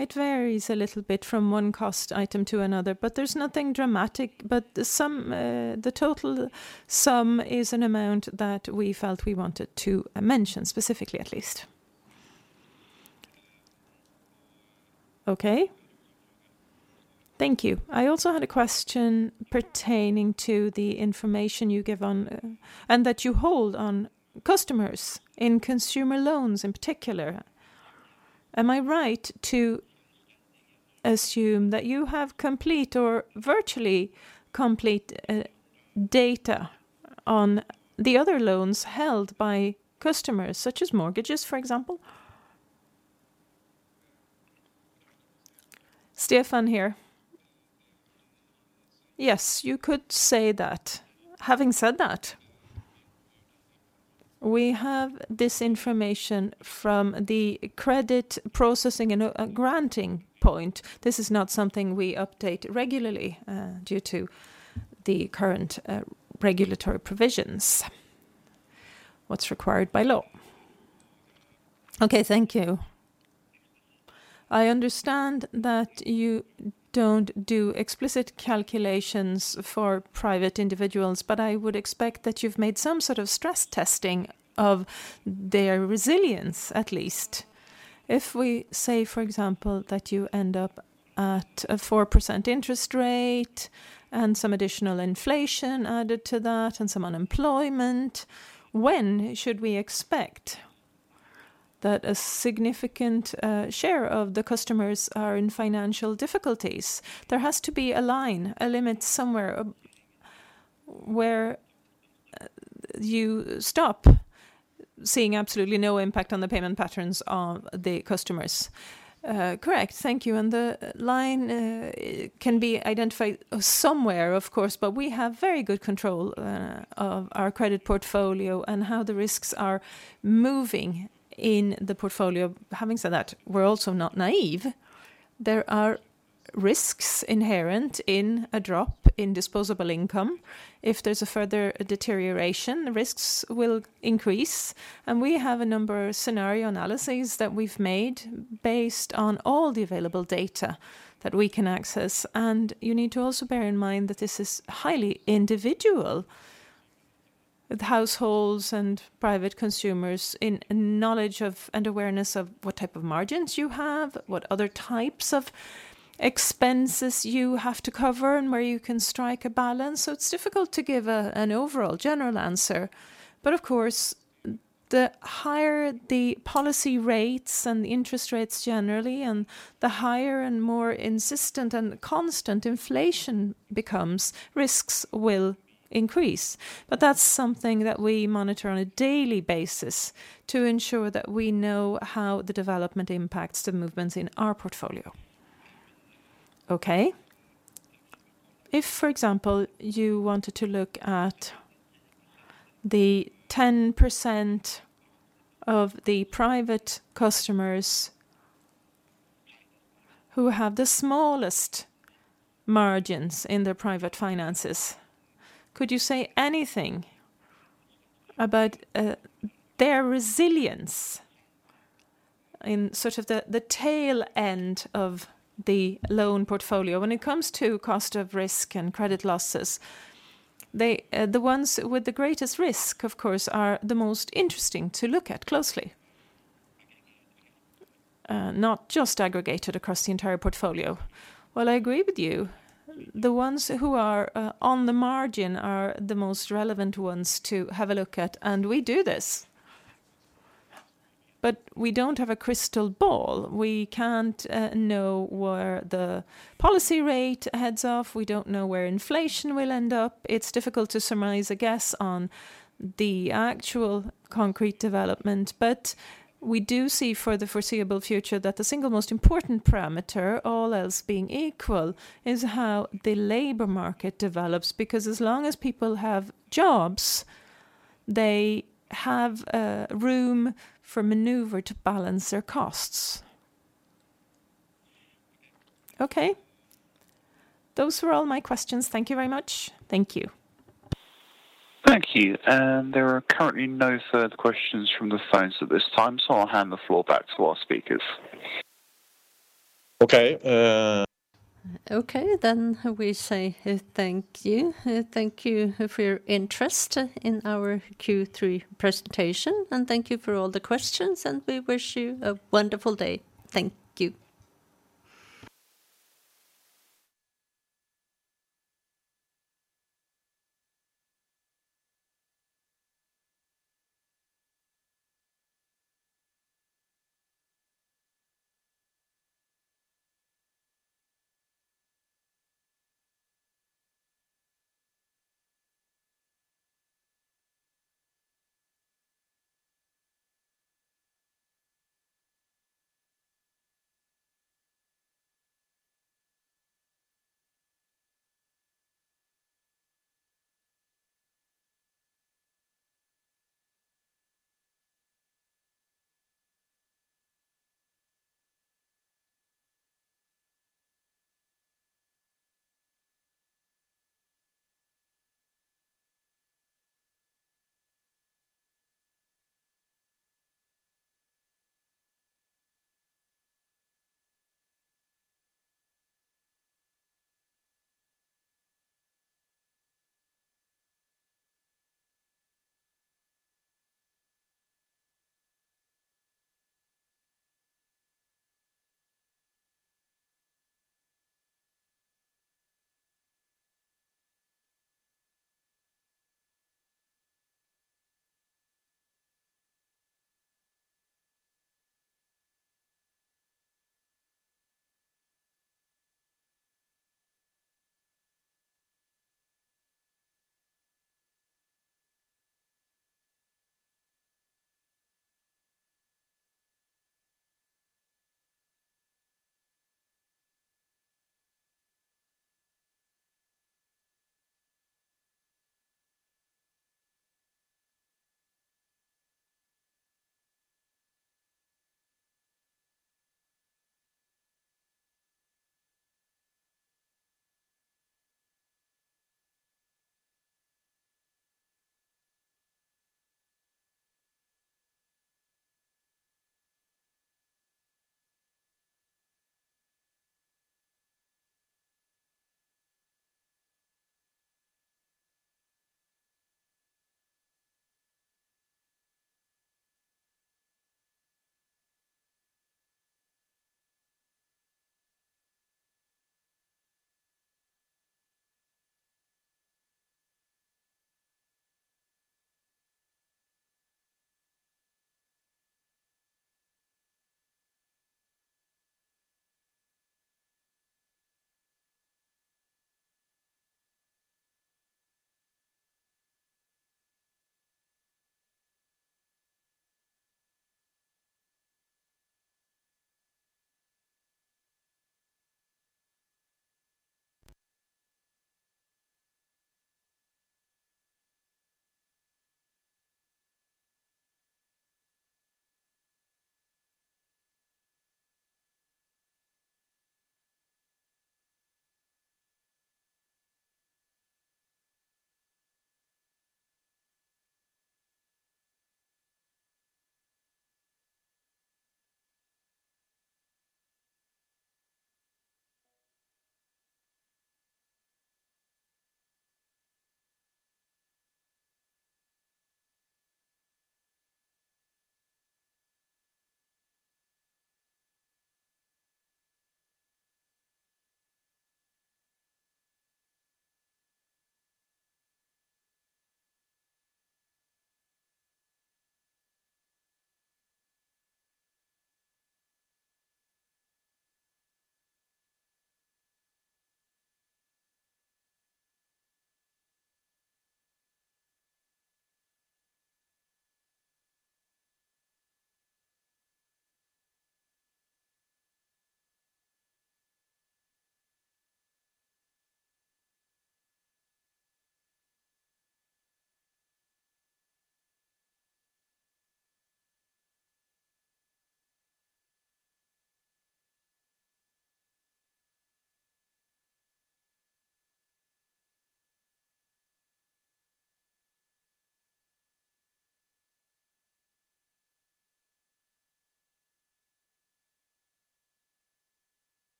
It varies a little bit from one cost item to another, but there's nothing dramatic. The sum, the total sum is an amount that we felt we wanted to mention specifically at least. Okay. Thank you. I also had a question pertaining to the information you give on, and that you hold on customers in consumer loans in particular. Am I right to assume that you have complete or virtually complete, data on the other loans held by customers such as mortgages, for example? Stefan Noderén here. Yes, you could say that. Having said that, we have this information from the credit processing and, granting point. This is not something we update regularly, due to the current, regulatory provisions, what's required by law. Okay. Thank you. I understand that you don't do explicit calculations for private individuals, but I would expect that you've made some sort of stress testing of their resilience, at least. If we say, for example, that you end up at a 4% interest rate and some additional inflation added to that and some unemployment, when should we expect that a significant, share of the customers are in financial difficulties? There has to be a line, a limit somewhere where you stop seeing absolutely no impact on the payment patterns of the customers. Correct. Thank you. The line can be identified somewhere, of course, but we have very good control, of our credit portfolio and how the risks are moving in the portfolio. Having said that, we're also not naive. There are risks inherent in a drop in disposable income. If there's a further deterioration, the risks will increase. We have a number of scenario analyses that we've made based on all the available data that we can access. You need to also bear in mind that this is highly individual. The households and private consumers' knowledge of and awareness of what type of margins you have, what other types of expenses you have to cover, and where you can strike a balance. It's difficult to give an overall general answer. Of course, the higher the policy rates and the interest rates generally and the higher and more insistent and constant inflation becomes, risks will increase. That's something that we monitor on a daily basis to ensure that we know how the development impacts the movements in our portfolio. Okay. If, for example, you wanted to look at the 10% of the private customers who have the smallest margins in their private finances, could you say anything about their resilience in sort of the tail end of the loan portfolio? When it comes to cost of risk and credit losses, they, the ones with the greatest risk, of course, are the most interesting to look at closely, not just aggregated across the entire portfolio. Well, I agree with you. The ones who are on the margin are the most relevant ones to have a look at, and we do this. We don't have a crystal ball. We can't know where the policy rate heads off. We don't know where inflation will end up. It's difficult to surmise a guess on the actual concrete development. We do see for the foreseeable future that the single most important parameter, all else being equal, is how the labor market develops. Because as long as people have jobs, they have room for maneuver to balance their costs. Okay. Those were all my questions. Thank you very much. Thank you. Thank you. There are currently no further questions from the phones at this time, so I'll hand the floor back to our speakers. Okay, Okay, we say thank you. Thank you for your interest in our Q3 presentation, and thank you for all the questions, and we wish you a wonderful day.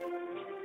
Thank you.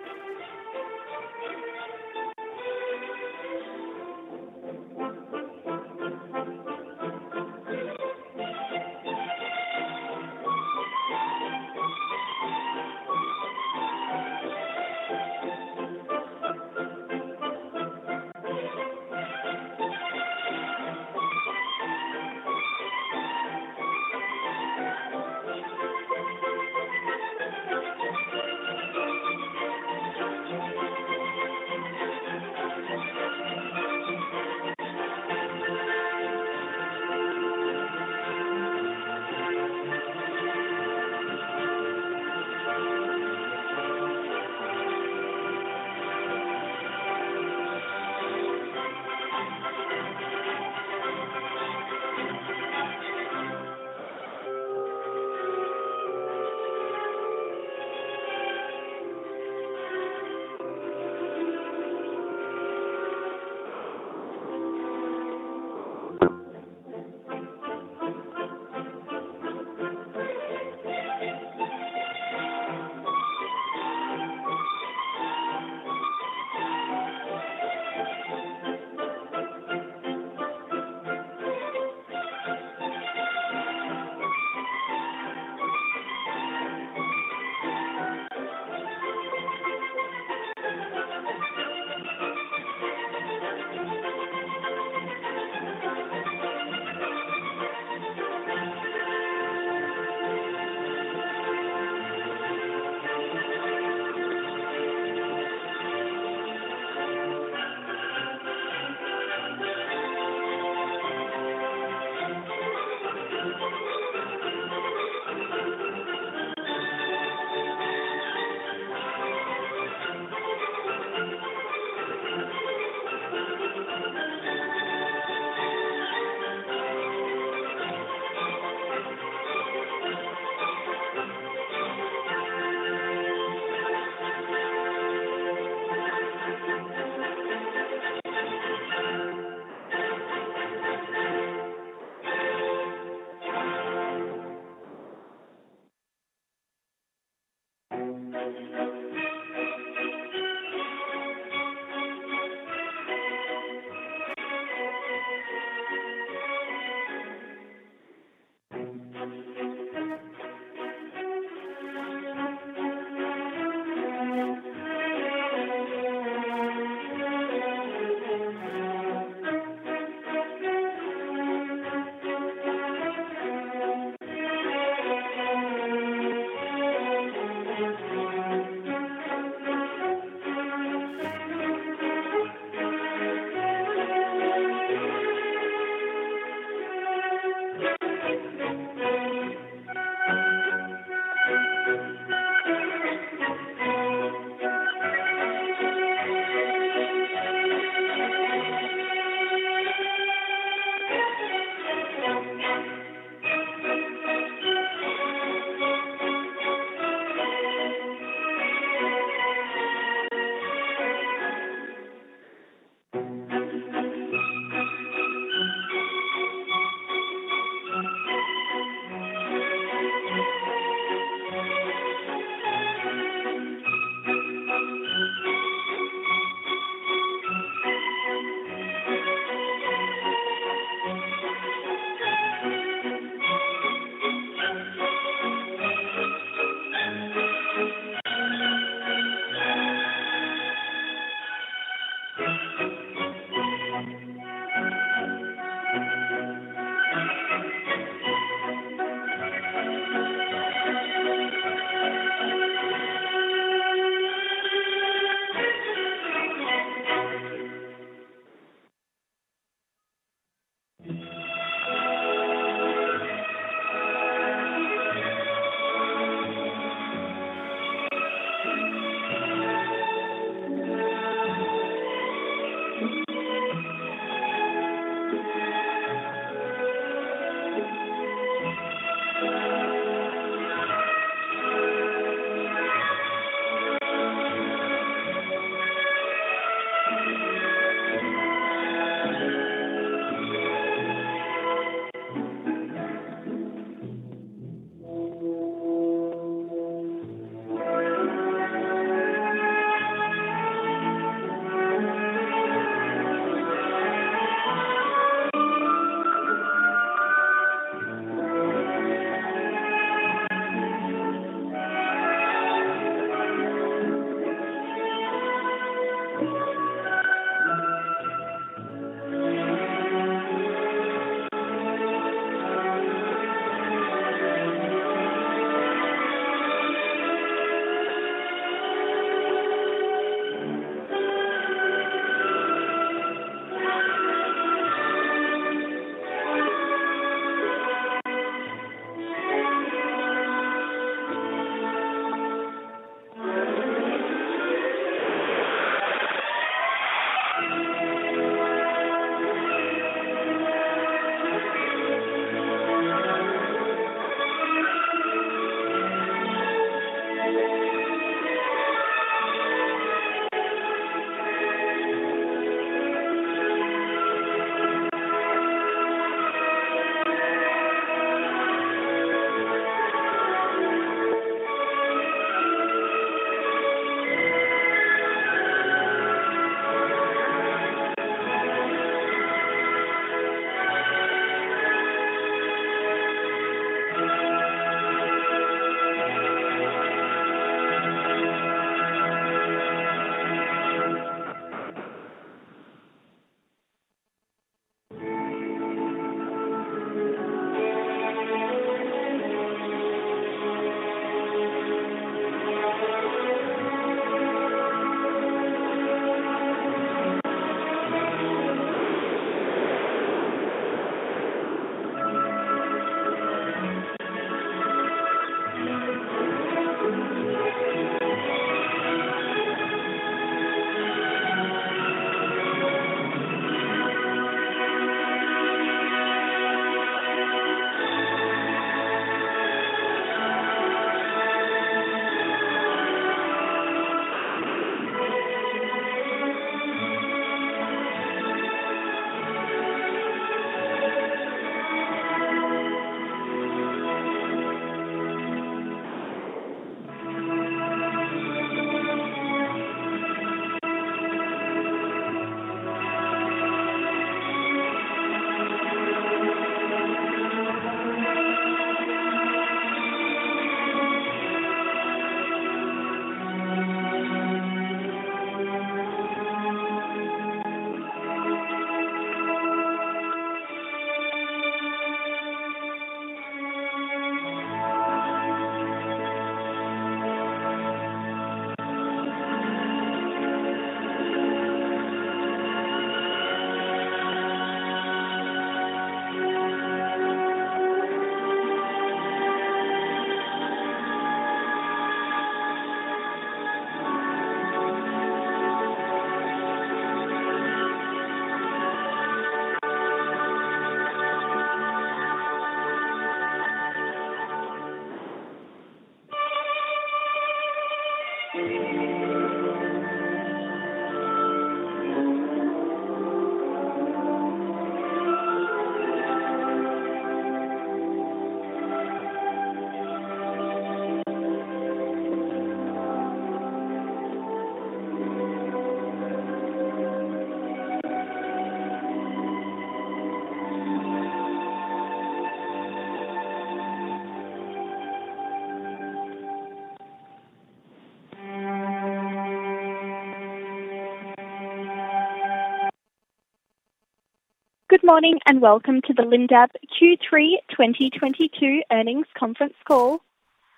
Good morning, and welcome to the Lindab Q3 2022 earnings conference call.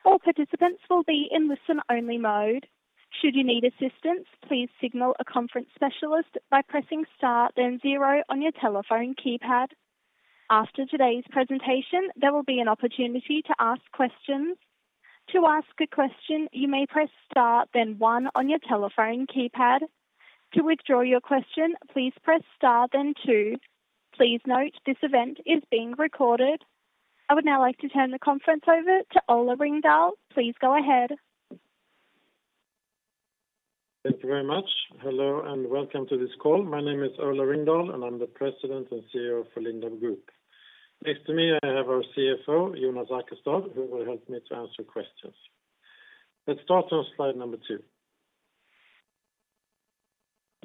All participants will be in listen-only mode. Should you need assistance, please signal a conference specialist by pressing Star then zero on your telephone keypad. After today's presentation, there will be an opportunity to ask questions. To ask a question, you may press Star then one on your telephone keypad. To withdraw your question, please press Star then two. Please note this event is being recorded. I would now like to turn the conference over to Ola Ringdahl. Please go ahead. Thank you very much. Hello, and welcome to this call. My name is Ola Ringdahl, and I'm the President and CEO for Lindab Group. Next to me, I have our CFO, Jonas Arkestad, who will help me to answer questions. Let's start on slide number two.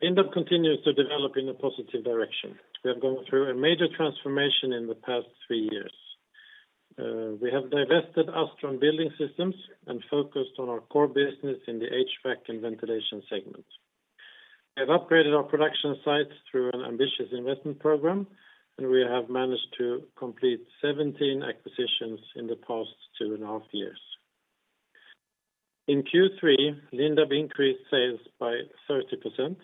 Lindab continues to develop in a positive direction. We are going through a major transformation in the past three years. We have divested Astron Building Systems and focused on our core business in the HVAC and ventilation segment. We have upgraded our production sites through an ambitious investment program, and we have managed to complete 17 acquisitions in the past 2.5 years. In Q3, Lindab increased sales by 30%,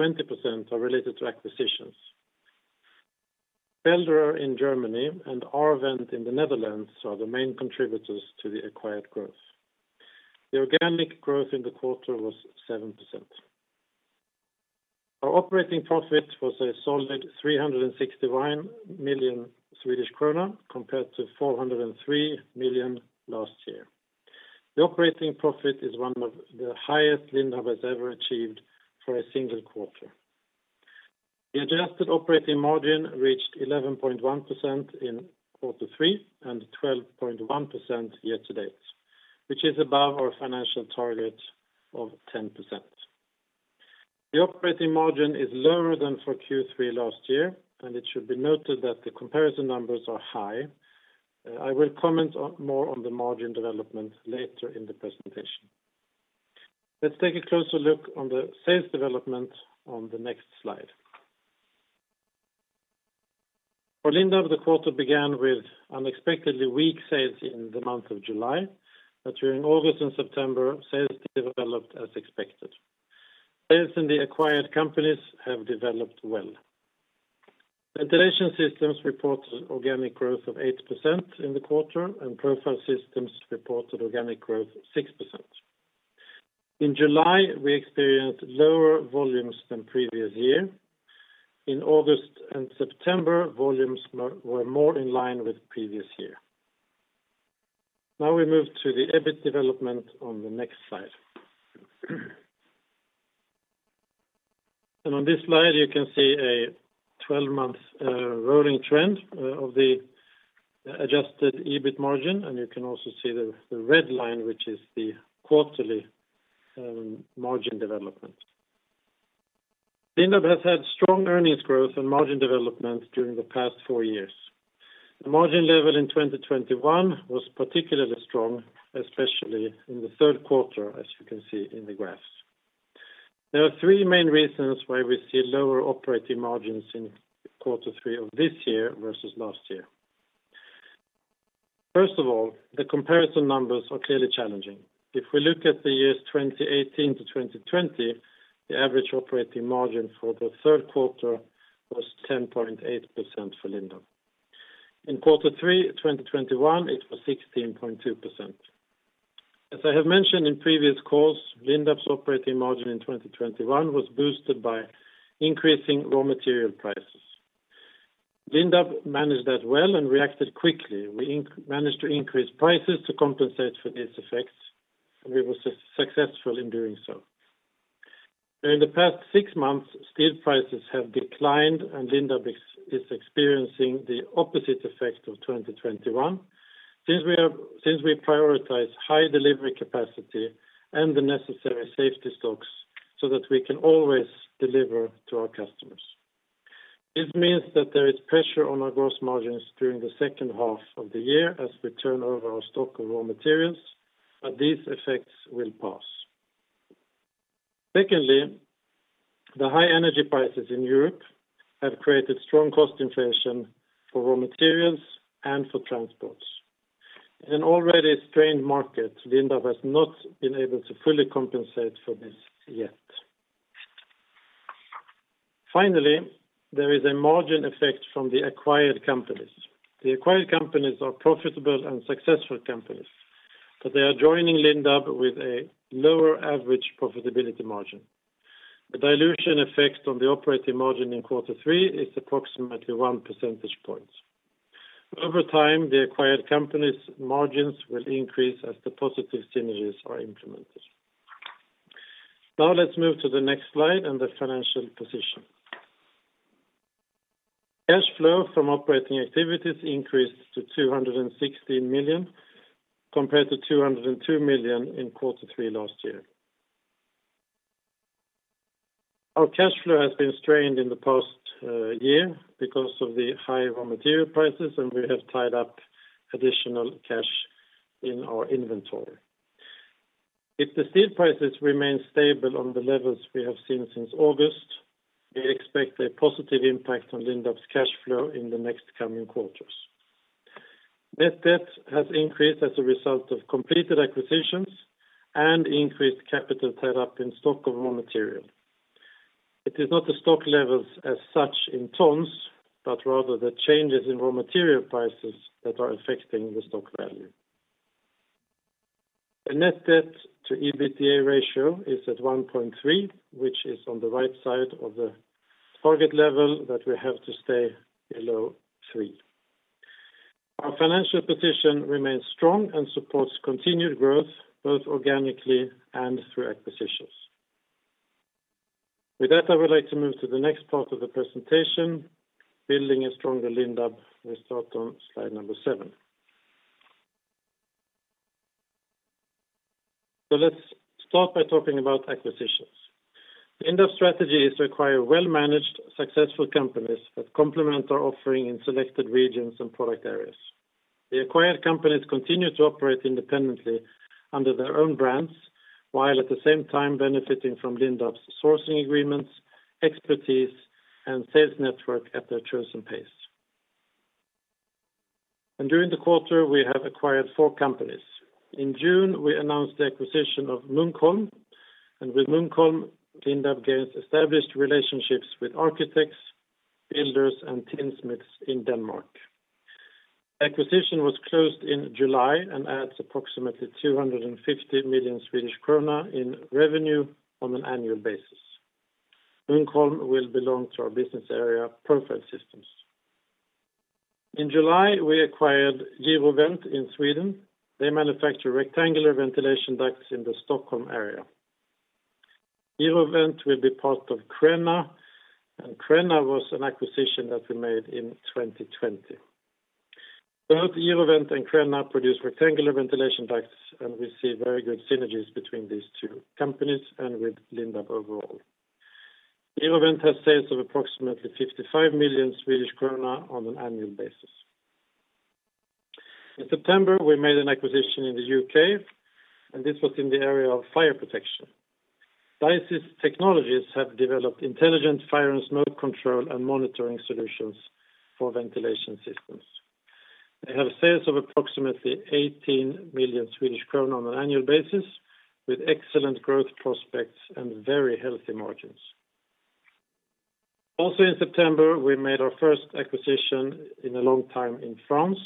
of which 20% are related to acquisitions. Felderer in Germany and R-Vent in the Netherlands are the main contributors to the acquired growth. The organic growth in the quarter was 7%. Our operating profit was a solid 361 million Swedish krona compared to 403 million last year. The operating profit is one of the highest Lindab has ever achieved for a single quarter. The adjusted operating margin reached 11.1% in Q3, and 12.1% year to date, which is above our financial target of 10%. The operating margin is lower than for Q3 last year, and it should be noted that the comparison numbers are high. I will comment more on the margin development later in the presentation. Let's take a closer look on the sales development on the next slide. For Lindab, the quarter began with unexpectedly weak sales in the month of July, but during August and September, sales developed as expected. Sales in the acquired companies have developed well. Ventilation Systems reported organic growth of 8% in the quarter, and Profile Systems reported organic growth of 6%. In July, we experienced lower volumes than previous year. In August and September, volumes were more in line with previous year. Now we move to the EBIT development on the next slide. On this slide, you can see a 12-month rolling trend of the adjusted EBIT margin, and you can also see the red line, which is the quarterly margin development. Lindab has had strong earnings growth and margin development during the past four years. The margin level in 2021 was particularly strong, especially in the third quarter, as you can see in the graphs. There are three main reasons why we see lower operating margins in quarter three of this year versus last year. First of all, the comparison numbers are clearly challenging. If we look at the years 2018 to 2020, the average operating margin for the third quarter was 10.8% for Lindab. In quarter three, 2021, it was 16.2%. As I have mentioned in previous calls, Lindab's operating margin in 2021 was boosted by increasing raw material prices. Lindab managed that well and reacted quickly. We managed to increase prices to compensate for these effects, and we were successful in doing so. During the past six months, steel prices have declined, and Lindab is experiencing the opposite effect of 2021 since we prioritize high delivery capacity and the necessary safety stocks so that we can always deliver to our customers. This means that there is pressure on our gross margins during the second half of the year as we turn over our stock of raw materials, but these effects will pass. Secondly, the high energy prices in Europe have created strong cost inflation for raw materials and for transports. In an already strained market, Lindab has not been able to fully compensate for this yet. Finally, there is a margin effect from the acquired companies. The acquired companies are profitable and successful companies, but they are joining Lindab with a lower average profitability margin. The dilution effect on the operating margin in quarter three is approximately 1 percentage point. Over time, the acquired companies' margins will increase as the positive synergies are implemented. Now let's move to the next slide and the financial position. Cash flow from operating activities increased to 260 million compared to 202 million in quarter three last year. Our cash flow has been strained in the past year because of the high raw material prices, and we have tied up additional cash in our inventory. If the steel prices remain stable on the levels we have seen since August, we expect a positive impact on Lindab's cash flow in the next coming quarters. Net debt has increased as a result of completed acquisitions and increased capital tied up in stock of raw material. It is not the stock levels as such in tons, but rather the changes in raw material prices that are affecting the stock value. The net debt to EBITDA ratio is at 1.3x, which is on the right side of the target level that we have to stay below 3x. Our financial position remains strong and supports continued growth, both organically and through acquisitions. With that, I would like to move to the next part of the presentation, Building a Stronger Lindab. We start on slide number seven. Let's start by talking about acquisitions. Lindab strategy is to acquire well-managed, successful companies that complement our offering in selected regions and product areas. The acquired companies continue to operate independently under their own brands, while at the same time benefiting from Lindab's sourcing agreements, expertise, and sales network at their chosen pace. During the quarter, we have acquired four companies. In June, we announced the acquisition of Muncholm, and with Muncholm, Lindab gains established relationships with architects, builders, and tinsmiths in Denmark. Acquisition was closed in July and adds approximately 250 million Swedish krona in revenue on an annual basis. Muncholm will belong to our business area Profile Systems. In July, we acquired Eurovent in Sweden. They manufacture rectangular ventilation ducts in the Stockholm area. Eurovent will be part of Crenna, and Crenna was an acquisition that we made in 2020. Both Eurovent and Crenna produce rectangular ventilation ducts, and we see very good synergies between these two companies and with Lindab overall. Eurovent has sales of approximately 55 million Swedish krona on an annual basis. In September, we made an acquisition in the U.K., and this was in the area of fire protection. DISYS Technologies have developed intelligent fire and smoke control and monitoring solutions for ventilation systems. They have sales of approximately 18 million Swedish kronor on an annual basis with excellent growth prospects and very healthy margins. Also, in September, we made our first acquisition in a long time in France.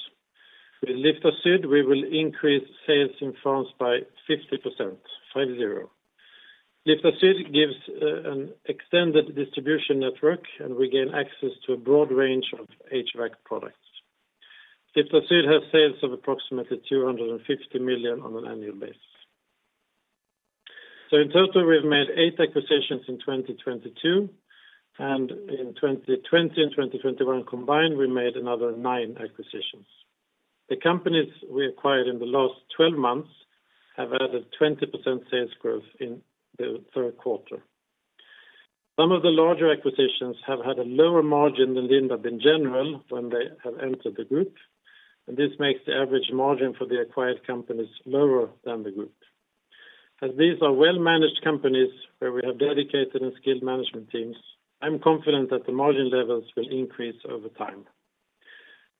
With Liftasud, we will increase sales in France by 50%, 50. Liftasud gives an extended distribution network, and we gain access to a broad range of HVAC products. Liftasud has sales of approximately 250 million on an annual basis. In total, we've made eight acquisitions in 2022, and in 2020 and 2021 combined, we made another nine acquisitions. The companies we acquired in the last 12 months have added 20% sales growth in the third quarter. Some of the larger acquisitions have had a lower margin than Lindab in general when they have entered the group, and this makes the average margin for the acquired companies lower than the group. As these are well-managed companies where we have dedicated and skilled management teams, I'm confident that the margin levels will increase over time.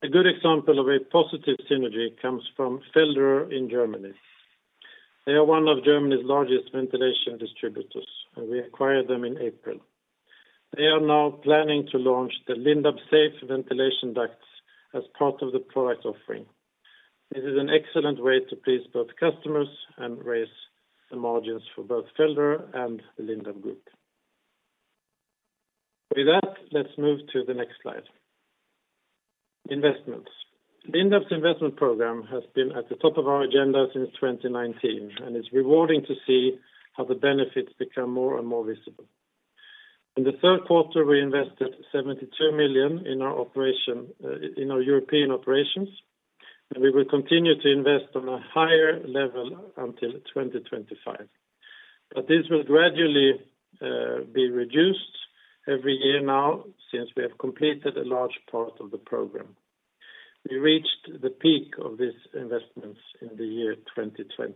A good example of a positive synergy comes from Felderer in Germany. They are one of Germany's largest ventilation distributors, and we acquired them in April. They are now planning to launch the Lindab Safe ventilation ducts as part of the product offering. This is an excellent way to please both customers and raise the margins for both Felderer and the Lindab Group. With that, let's move to the next slide. Investments. Lindab's investment program has been at the top of our agenda since 2019, and it's rewarding to see how the benefits become more and more visible. In the third quarter, we invested 72 million in our operation, in our European operations, and we will continue to invest on a higher level until 2025. This will gradually be reduced every year now since we have completed a large part of the program. We reached the peak of these investments in the year 2020.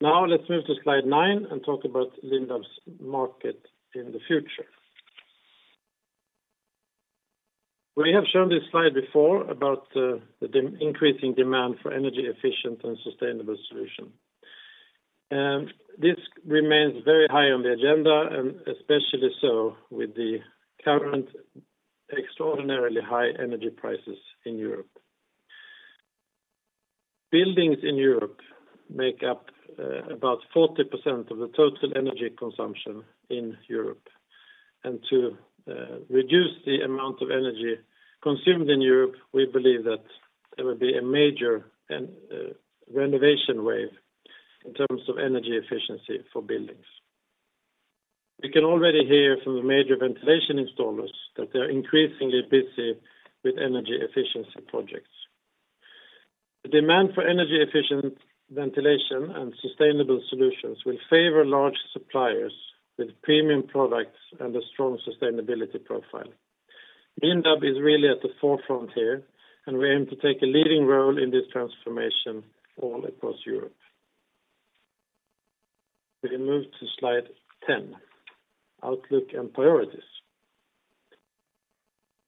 Now let's move to slide nine and talk about Lindab's market in the future. We have shown this slide before about the increasing demand for energy-efficient and sustainable solution. This remains very high on the agenda, and especially so with the current extraordinarily high energy prices in Europe. Buildings in Europe make up about 40% of the total energy consumption in Europe. To reduce the amount of energy consumed in Europe, we believe that there will be a major renovation wave in terms of energy efficiency for buildings. We can already hear from the major ventilation installers that they're increasingly busy with energy efficiency projects. The demand for energy efficient ventilation and sustainable solutions will favor large suppliers with premium products and a strong sustainability profile. Lindab is really at the forefront here, and we aim to take a leading role in this transformation all across Europe. We can move to slide 10, Outlook and Priorities.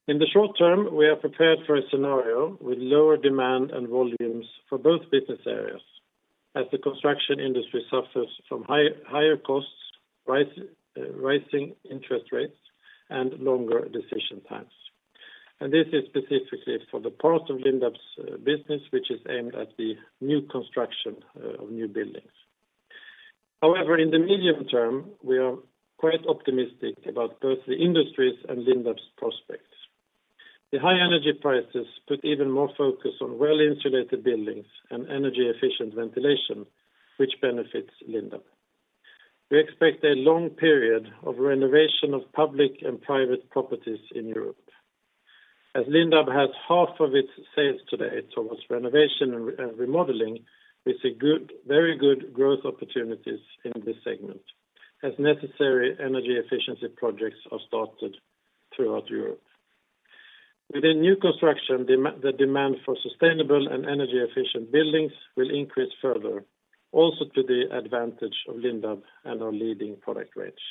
In the short term, we are prepared for a scenario with lower demand and volumes for both business areas as the construction industry suffers from higher costs, rising interest rates, and longer decision times. This is specifically for the part of Lindab's business, which is aimed at the new construction of new buildings. However, in the medium term, we are quite optimistic about both the industries and Lindab's pprospects. The high energy prices put even more focus on well-insulated buildings and energy-efficient ventilation, which benefits Lindab. We expect a long period of renovation of public and private properties in Europe. As Lindab has half of its sales today towards renovation and remodeling, we see good, very good growth opportunities in this segment as necessary energy efficiency projects are started throughout Europe. Within new construction, the demand for sustainable and energy-efficient buildings will increase further, also to the advantage of Lindab and our leading product range.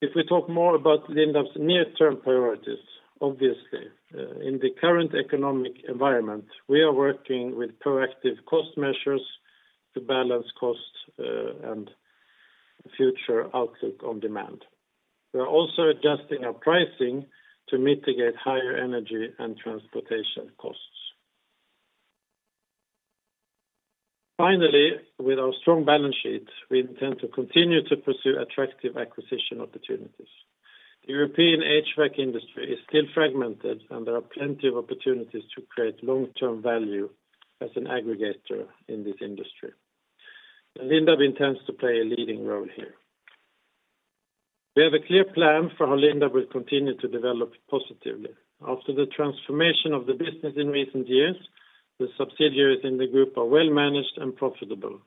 If we talk more about Lindab's near-term priorities, obviously, in the current economic environment, we are working with proactive cost measures to balance costs and the future outlook on demand. We are also adjusting our pricing to mitigate higher energy and transportation costs. Finally, with our strong balance sheet, we intend to continue to pursue attractive acquisition opportunities. The European HVAC industry is still fragmented, and there are plenty of opportunities to create long-term value as an aggregator in this industry, and Lindab intends to play a leading role here. We have a clear plan for how Lindab will continue to develop positively. After the transformation of the business in recent years, the subsidiaries in the group are well managed and profitable,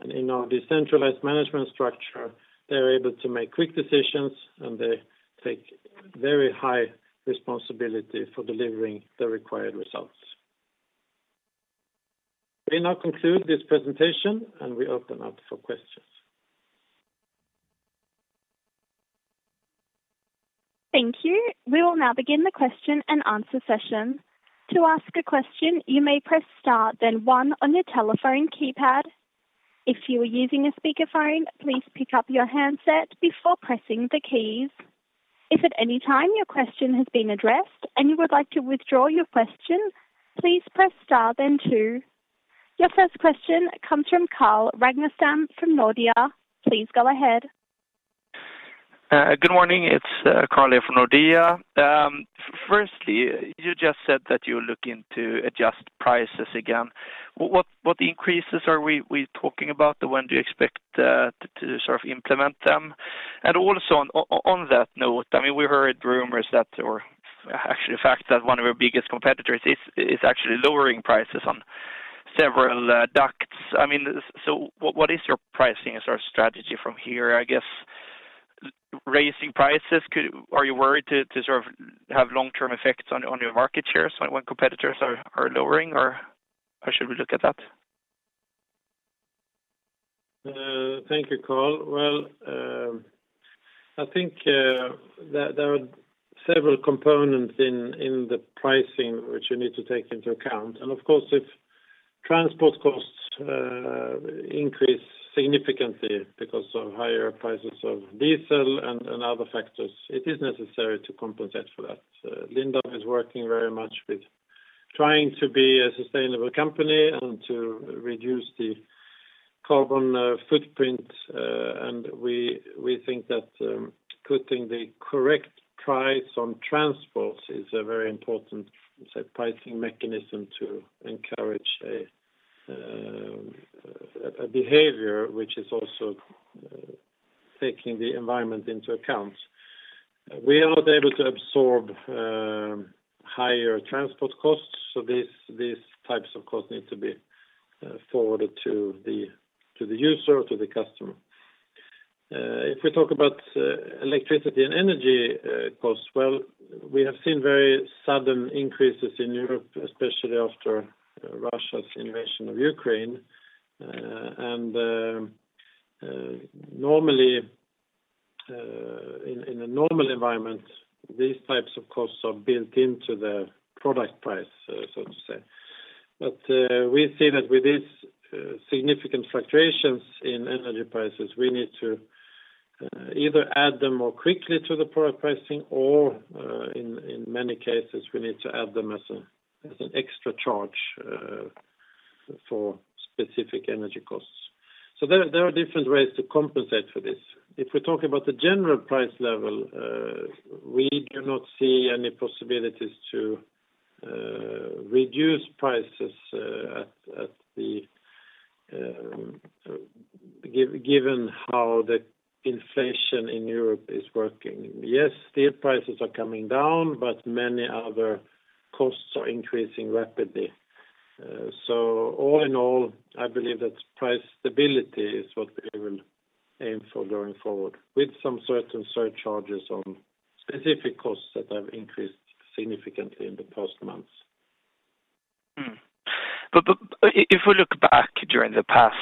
and in our decentralized management structure, they are able to make quick decisions, and they take very high responsibility for delivering the required results. We now conclude this presentation, and we open up for questions. Thank you. We will now begin the question and answer session. To ask a question, you may press Star, then One on your telephone keypad. If you are using a speakerphone, please pick up your handset before pressing the keys. If at any time your question has been addressed and you would like to withdraw your question, please press Star then Two. Your first question comes from Carl Ragnerstam from Nordea. Please go ahead. Good morning. It's Carl here from Nordea. Firstly, you just said that you're looking to adjust prices again. What increases are we talking about? When do you expect to sort of implement them? And also on that note, I mean, we heard rumors that or actually fact that one of our biggest competitors is actually lowering prices on several ducts. I mean, so what is your pricing sort of strategy from here? I guess raising prices. Are you worried to sort of have long-term effects on your market shares when competitors are lowering, or how should we look at that? Thank you, Carl. I think there are several components in the pricing which you need to take into account. Of course, if transport costs increase significantly because of higher prices of diesel and other factors, it is necessary to compensate for that. Lindab is working very much with trying to be a sustainable company and to reduce the carbon footprint, and we think that putting the correct price on transports is a very important pricing mechanism to encourage a behavior which is also taking the environment into account. We are not able to absorb higher transport costs, so these types of costs need to be forwarded to the user, to the customer. If we talk about electricity and energy costs, well, we have seen very sudden increases in Europe, especially after Russia's invasion of Ukraine. Normally, in a normal environment, these types of costs are built into the product price, so to say. But we see that with these significant fluctuations in energy prices, we need to either add them more quickly to the product pricing or, in many cases, we need to add them as an extra charge for specific energy costs. There are different ways to compensate for this. If we talk about the general price level, we do not see any possibilities to reduce prices, at the given how the inflation in Europe is working. Yes, steel prices are coming down, but many other costs are increasing rapidly. All in all, I believe that price stability is what we will aim for going forward, with some certain surcharges on specific costs that have increased significantly in the past months. If we look back over the past,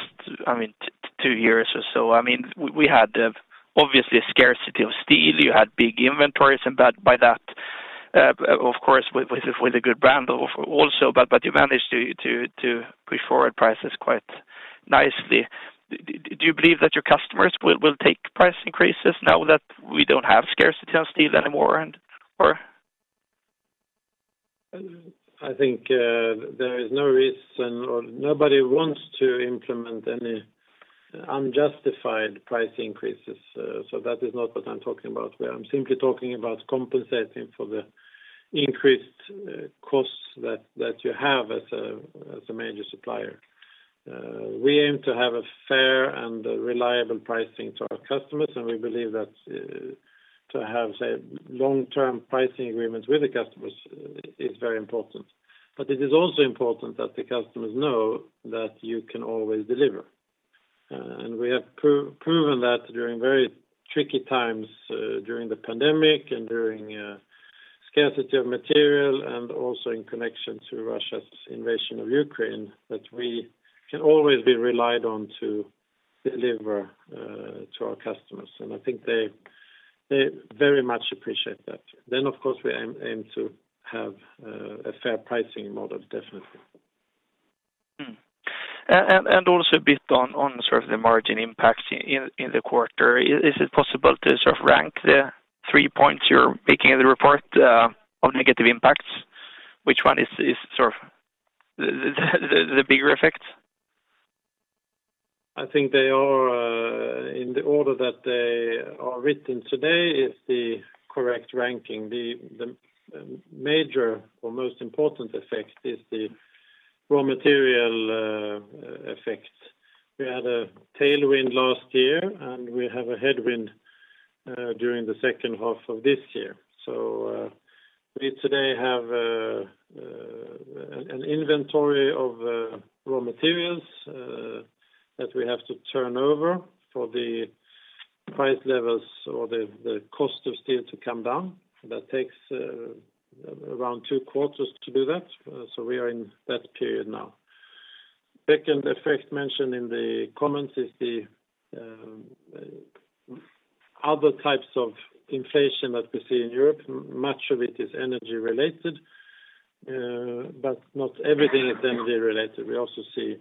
I mean, two years or so, I mean, we had obviously a scarcity of steel. You had big inventories, and by that, of course, with a good brand also, but you managed to push forward prices quite nicely. Do you believe that your customers will take price increases now that we don't have scarcity on steel anymore and/or? I think there is no reason or nobody wants to implement any unjustified price increases. That is not what I'm talking about. I'm simply talking about compensating for the increased costs that you have as a major supplier. We aim to have a fair and reliable pricing to our customers, and we believe that to have, say, long-term pricing agreements with the customers is very important. It is also important that the customers know that you can always deliver. We have proven that during very tricky times, during the pandemic and during scarcity of material and also in connection to Russia's invasion of Ukraine, that we can always be relied on to deliver to our customers. I think they very much appreciate that. Of course, we aim to have a fair pricing model, definitely. Also a bit on sort of the margin impacts in the quarter. Is it possible to sort of rank the three points you're making in the report on negative impacts? Which one is sort of the bigger effect? I think they are in the order that they are written today is the correct ranking. The major or most important effect is the raw material effect. We had a tailwind last year, and we have a headwind during the second half of this year. We today have an inventory of raw materials that we have to turn over for the price levels or the cost of steel to come down. That takes around two quarters to do that. We are in that period now. Second effect mentioned in the comments is the other types of inflation that we see in Europe, much of it is energy related, but not everything is energy related. We also see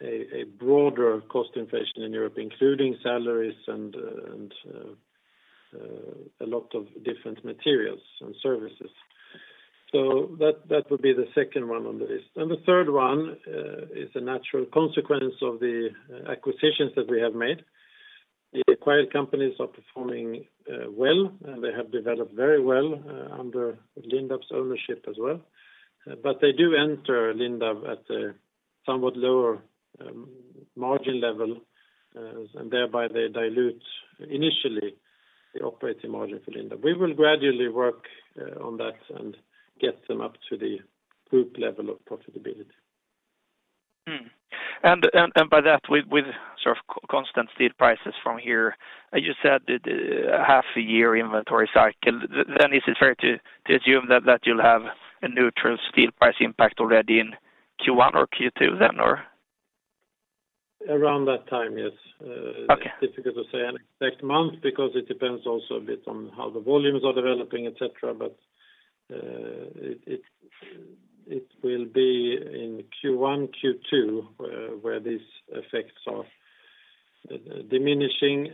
a broader cost inflation in Europe, including salaries and a lot of different materials and services. That would be the second one on the list. The third one is a natural consequence of the acquisitions that we have made. The acquired companies are performing well, and they have developed very well under Lindab's ownership as well. They do enter Lindab at a somewhat lower margin level, and thereby they dilute initially the operating margin for Lindab. We will gradually work on that and get them up to the group level of profitability. By that with sort of constant steel prices from here, you said it, half a year inventory cycle, then is it fair to assume that you'll have a neutral steel price impact already in Q1 or Q2 then or? Around that time, yes. Okay. It's difficult to say an exact month because it depends also a bit on how the volumes are developing, et cetera. It will be in Q1, Q2, where these effects are diminishing.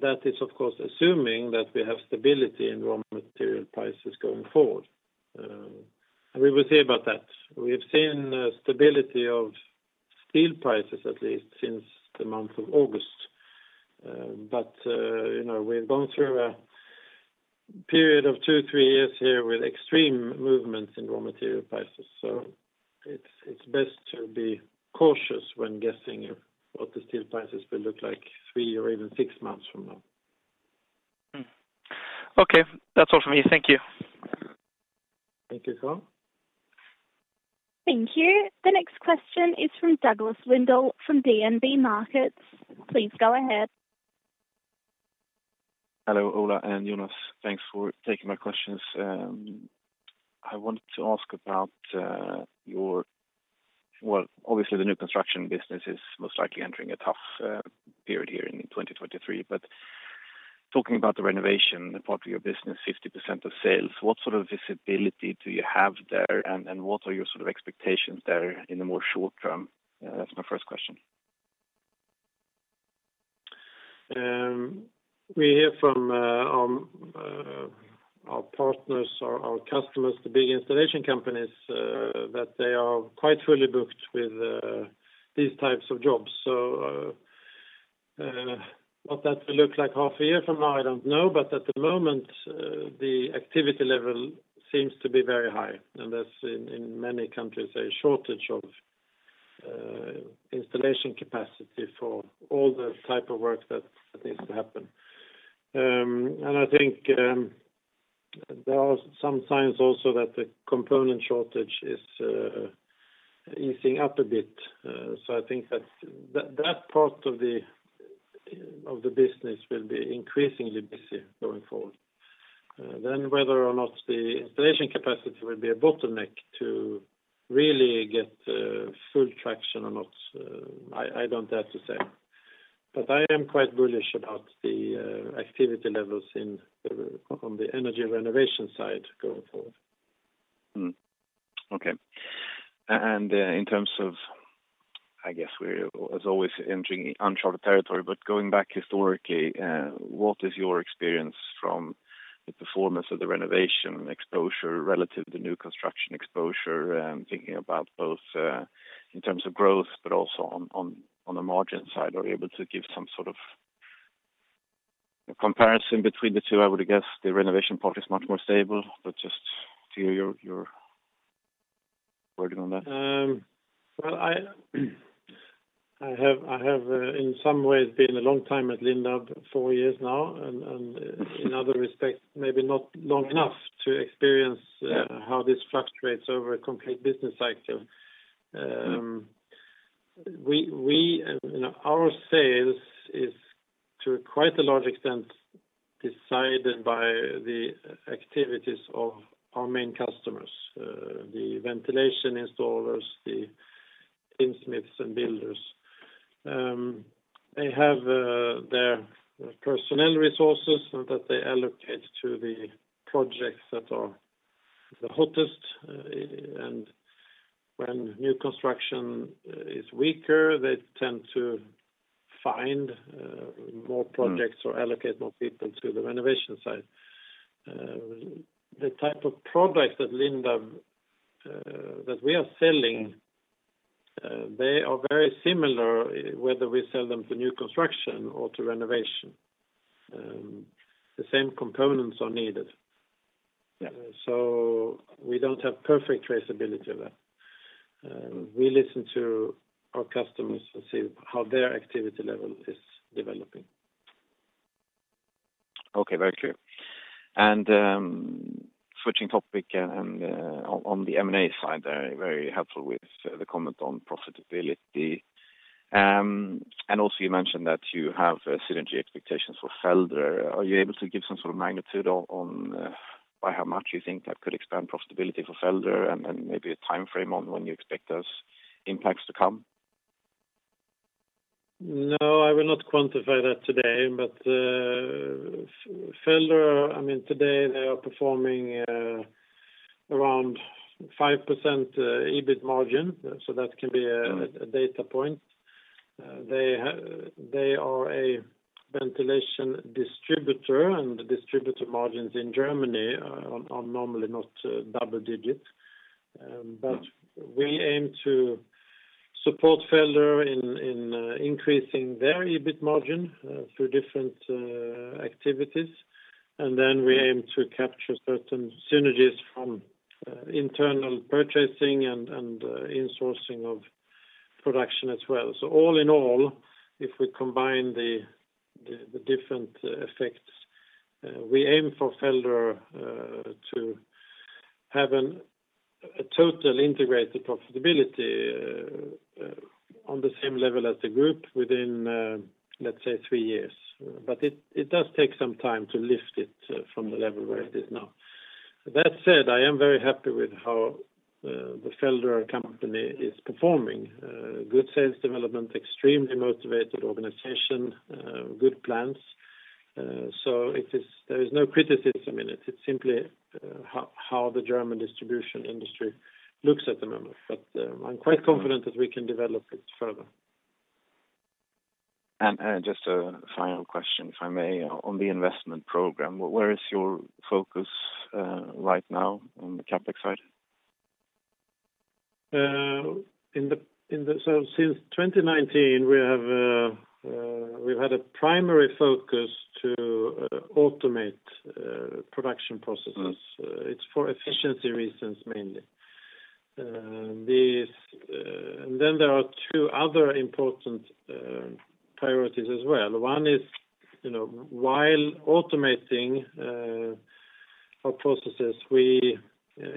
That is, of course, assuming that we have stability in raw material prices going forward. We will see about that. We have seen stability of steel prices, at least since the month of August. You know, we've gone through a period of two, three years here with extreme movements in raw material prices. It's best to be cautious when guessing what the steel prices will look like three or even six months from now. Okay. That's all from me. Thank you. Thank you, Carl. Thank you. The next question is from Douglas Lindell from DNB Markets. Please go ahead. Hello, Ola and Jonas. Thanks for taking my questions. I want to ask about your, well, obviously, the new construction business is most likely entering a tough period here in 2023. Talking about the renovation, the part of your business, 50% of sales, what sort of visibility do you have there? What are your sort of expectations there in the more short term? That's my first question. We hear from our partners or our customers, the big installation companies, that they are quite fully booked with these types of jobs. What that will look like half a year from now, I don't know. At the moment, the activity level seems to be very high, and there's, in many countries, a shortage of installation capacity for all the type of work that needs to happen. I think there are some signs also that the component shortage is easing up a bit. I think that part of the business will be increasingly busy going forward. Whether or not the installation capacity will be a bottleneck to really get full traction or not, I don't have to say. I am quite bullish about the activity levels on the energy renovation side going forward. Okay. In terms of, I guess we're as always entering uncharted territory, but going back historically, what is your experience from the performance of the renovation exposure relative to new construction exposure? Thinking about both, in terms of growth, but also on the margin side. Are you able to give some sort of comparison between the two? I would guess the renovation part is much more stable, but just hear your wording on that. Well, I have in some ways been a long time at Lindab, four years now, and in other respects, maybe not long enough to experience how this fluctuates over a complete business cycle. We, you know, our sales is to quite a large extent decided by the activities of our main customers, the ventilation installers, the tinsmiths and builders. They have their personnel resources that they allocate to the projects that are the hottest, and when new construction is weaker, they tend to find more projects or allocate more people to the renovation side. The type of products that Lindab that we are selling they are very similar whether we sell them to new construction or to renovation. The same components are needed. Yeah. We don't have perfect traceability of that. We listen to our customers and see how their activity level is developing. Okay, very clear. Switching topic and on the M&A side, very helpful with the comment on profitability. Also you mentioned that you have synergy expectations for Felderer. Are you able to give some sort of magnitude on by how much you think that could expand profitability for Felderer and then maybe a time frame on when you expect those impacts to come? No, I will not quantify that today. Felderer, I mean, today, they are performing around 5% EBIT margin, so that can be a data point. They are a ventilation distributor, and distributor margins in Germany are normally not double digits. We aim to support Felderer in increasing their EBIT margin through different activities. We aim to capture certain synergies from internal purchasing and insourcing of production as well. All in all, if we combine the different effects, we aim for Felderer to have a total integrated profitability on the same level as the group within, let's say, three years. It does take some time to lift it from the level where it is now. That said, I am very happy with how the Felderer company is performing, good sales development, extremely motivated organization, good plans. There is no criticism in it. It's simply how the German distribution industry looks at the moment. I'm quite confident that we can develop it further. Just a final question, if I may. On the investment program, where is your focus right now on the CapEx side? Since 2019, we've had a primary focus to automate production processes. It's for efficiency reasons mainly. There are two other important priorities as well. One is, you know, while automating our processes, we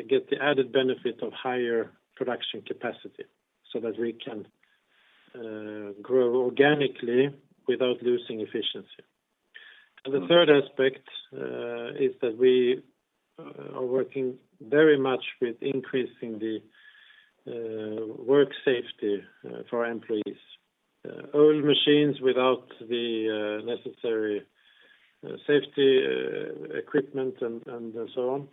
get the added benefit of higher production capacity so that we can grow organically without losing efficiency. The third aspect is that we are working very much with increasing the work safety for our employees. Old machines without the necessary safety equipment and so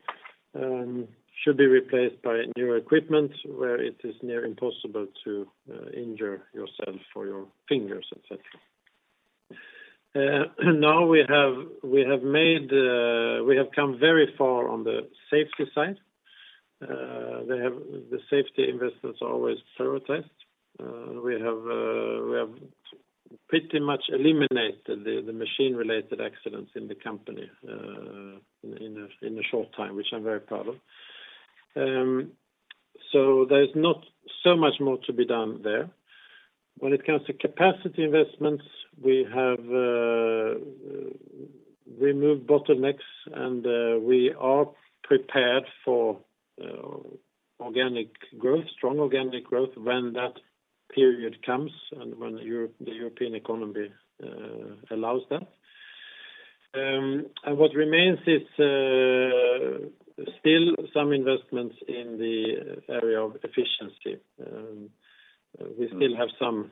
on should be replaced by new equipment where it is near impossible to injure yourself or your fingers, et cetera. Now we have come very far on the safety side. They have the safety investments always prioritized. We have pretty much eliminated the machine-related accidents in the company in a short time, which I'm very proud of. There's not so much more to be done there. When it comes to capacity investments, we have removed bottlenecks, and we are prepared for organic growth, strong organic growth when that period comes and when the European economy allows that. What remains is still some investments in the area of efficiency. We still have some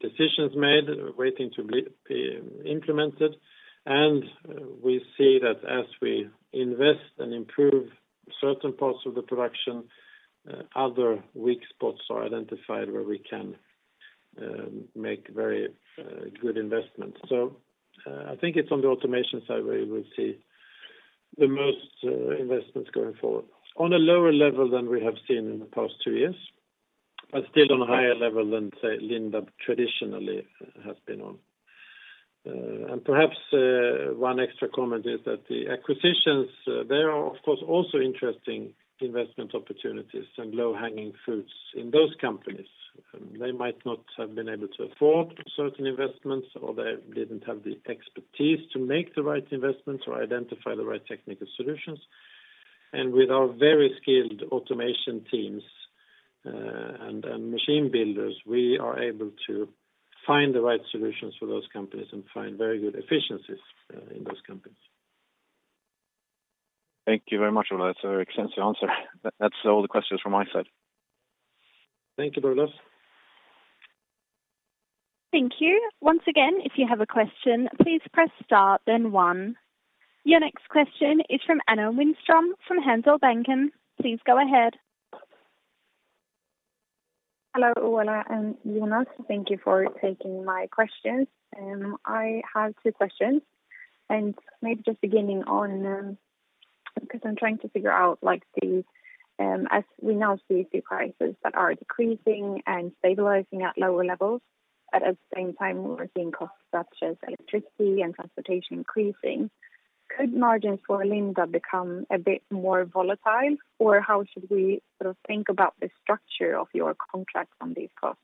decisions made waiting to be implemented, and we see that as we invest and improve certain parts of the production, other weak spots are identified where we can make very good investments. I think it's on the automation side where you will see the most investments going forward on a lower level than we have seen in the past two years, but still on a higher level than, say, Lindab traditionally has been on. Perhaps one extra comment is that the acquisitions they are of course also interesting investment opportunities and low-hanging fruits in those companies. They might not have been able to afford certain investments, or they didn't have the expertise to make the right investments or identify the right technical solutions. With our very skilled automation teams and machine builders, we are able to find the right solutions for those companies and find very good efficiencies in those companies. Thank you very much, Ola. That's a very extensive answer. That's all the questions from my side. Thank you, Douglas Lindell. Thank you. Once again, if you have a question, please press star then one. Your next question is from Anna Winström from Handelsbanken. Please go ahead. Hello, Ola and Jonas. Thank you for taking my questions. I have two questions, and maybe just beginning on, because I'm trying to figure out, like, as we now see steel prices that are decreasing and stabilizing at lower levels, at the same time, we're seeing costs such as electricity and transportation increasing. Could margins for Lindab become a bit more volatile, or how should we sort of think about the structure of your contracts on these costs?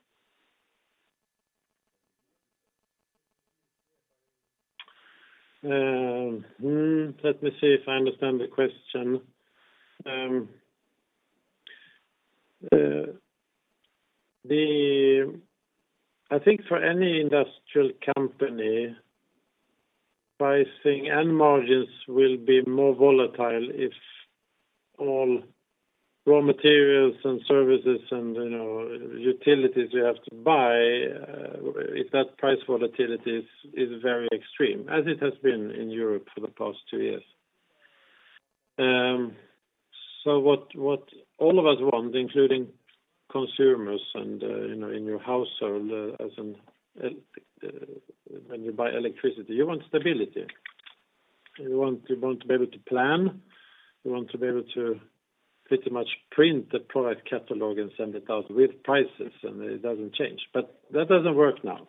Let me see if I understand the question. I think for any industrial company, pricing and margins will be more volatile if all raw materials and services and, you know, utilities you have to buy, if that price volatility is very extreme, as it has been in Europe for the past two years. What all of us want, including consumers and, you know, in your household when you buy electricity, you want stability. You want to be able to plan, you want to be able to pretty much print the product catalog and send it out with prices, and it doesn't change. That doesn't work now.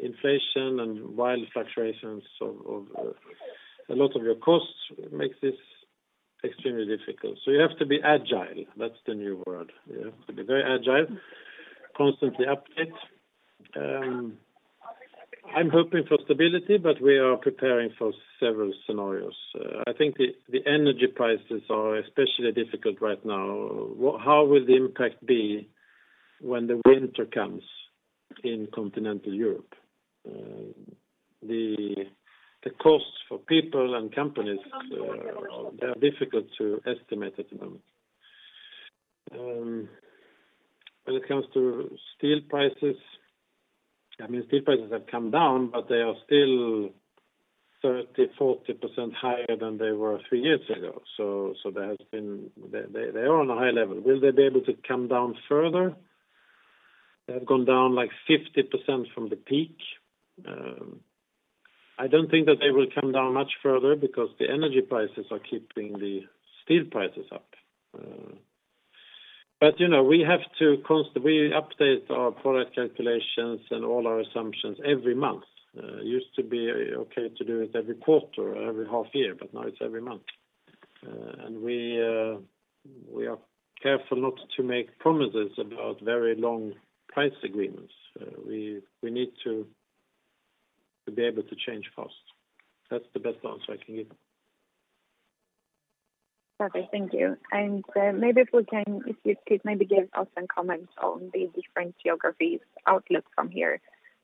Inflation and wild fluctuations of a lot of your costs makes this extremely difficult. You have to be agile. That's the new word. You have to be very agile, constantly update. I'm hoping for stability, but we are preparing for several scenarios. I think the energy prices are especially difficult right now. How will the impact be when the winter comes in continental Europe? The costs for people and companies, they are difficult to estimate at the moment. When it comes to steel prices, I mean, steel prices have come down, but they are still 30%-40% higher than they were three years ago. There has been. They are on a high level. Will they be able to come down further? They have gone down, like, 50% from the peak. I don't think that they will come down much further because the energy prices are keeping the steel prices up. You know, we have to update our product calculations and all our assumptions every month. It used to be okay to do it every quarter or every half year, but now it's every month. We are careful not to make promises about very long price agreements. We need to be able to change costs. That's the best answer I can give. Okay, thank you. Maybe if you could maybe give us some comments on the different geographies outlook from here.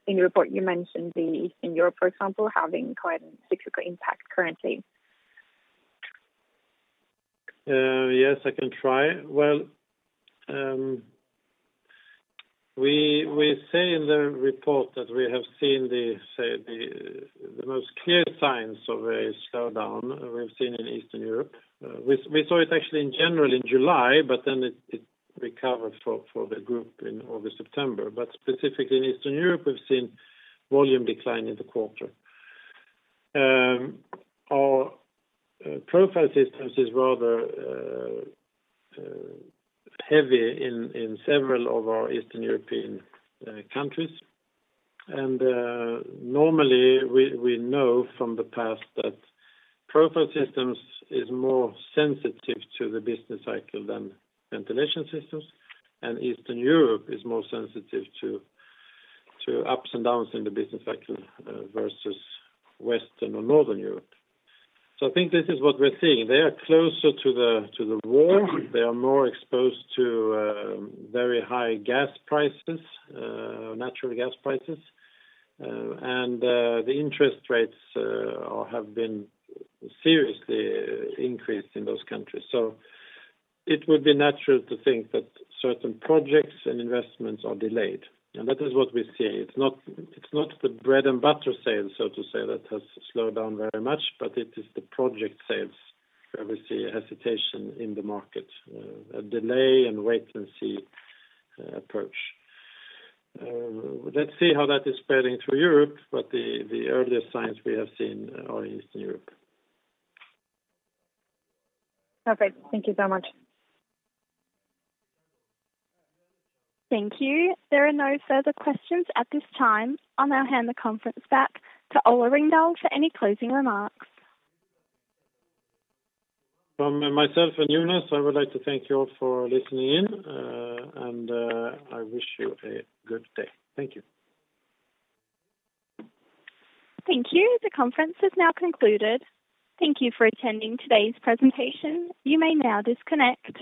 In your report, you mentioned the Eastern Europe, for example, having quite a cyclical impact currently. Yes, I can try. Well, we say in the report that we have seen the most clear signs of a slowdown we've seen in Eastern Europe. We saw it actually in general in July, but then it recovered for the group in August, September. Specifically in Eastern Europe, we've seen volume decline in the quarter. Our Profile Systems is rather heavy in several of our Eastern European countries. Normally, we know from the past that Profile Systems is more sensitive to the business cycle than Ventilation Systems, and Eastern Europe is more sensitive to ups and downs in the business cycle versus Western or Northern Europe. I think this is what we're seeing. They are closer to the war. They are more exposed to very high gas prices, natural gas prices. The interest rates have been seriously increased in those countries. It would be natural to think that certain projects and investments are delayed. That is what we see. It's not the bread and butter sales, so to say, that has slowed down very much, but it is the project sales where we see hesitation in the market, a delay and wait-and-see approach. Let's see how that is spreading through Europe, but the earliest signs we have seen are in Eastern Europe. Perfect. Thank you so much. Thank you. There are no further questions at this time. I'll now hand the conference back to Ola Ringdahl for any closing remarks. From myself and Jonas Arkestad, I would like to thank you all for listening in, and I wish you a good day. Thank you. Thank you. The conference is now concluded. Thank you for attending today's presentation. You may now disconnect.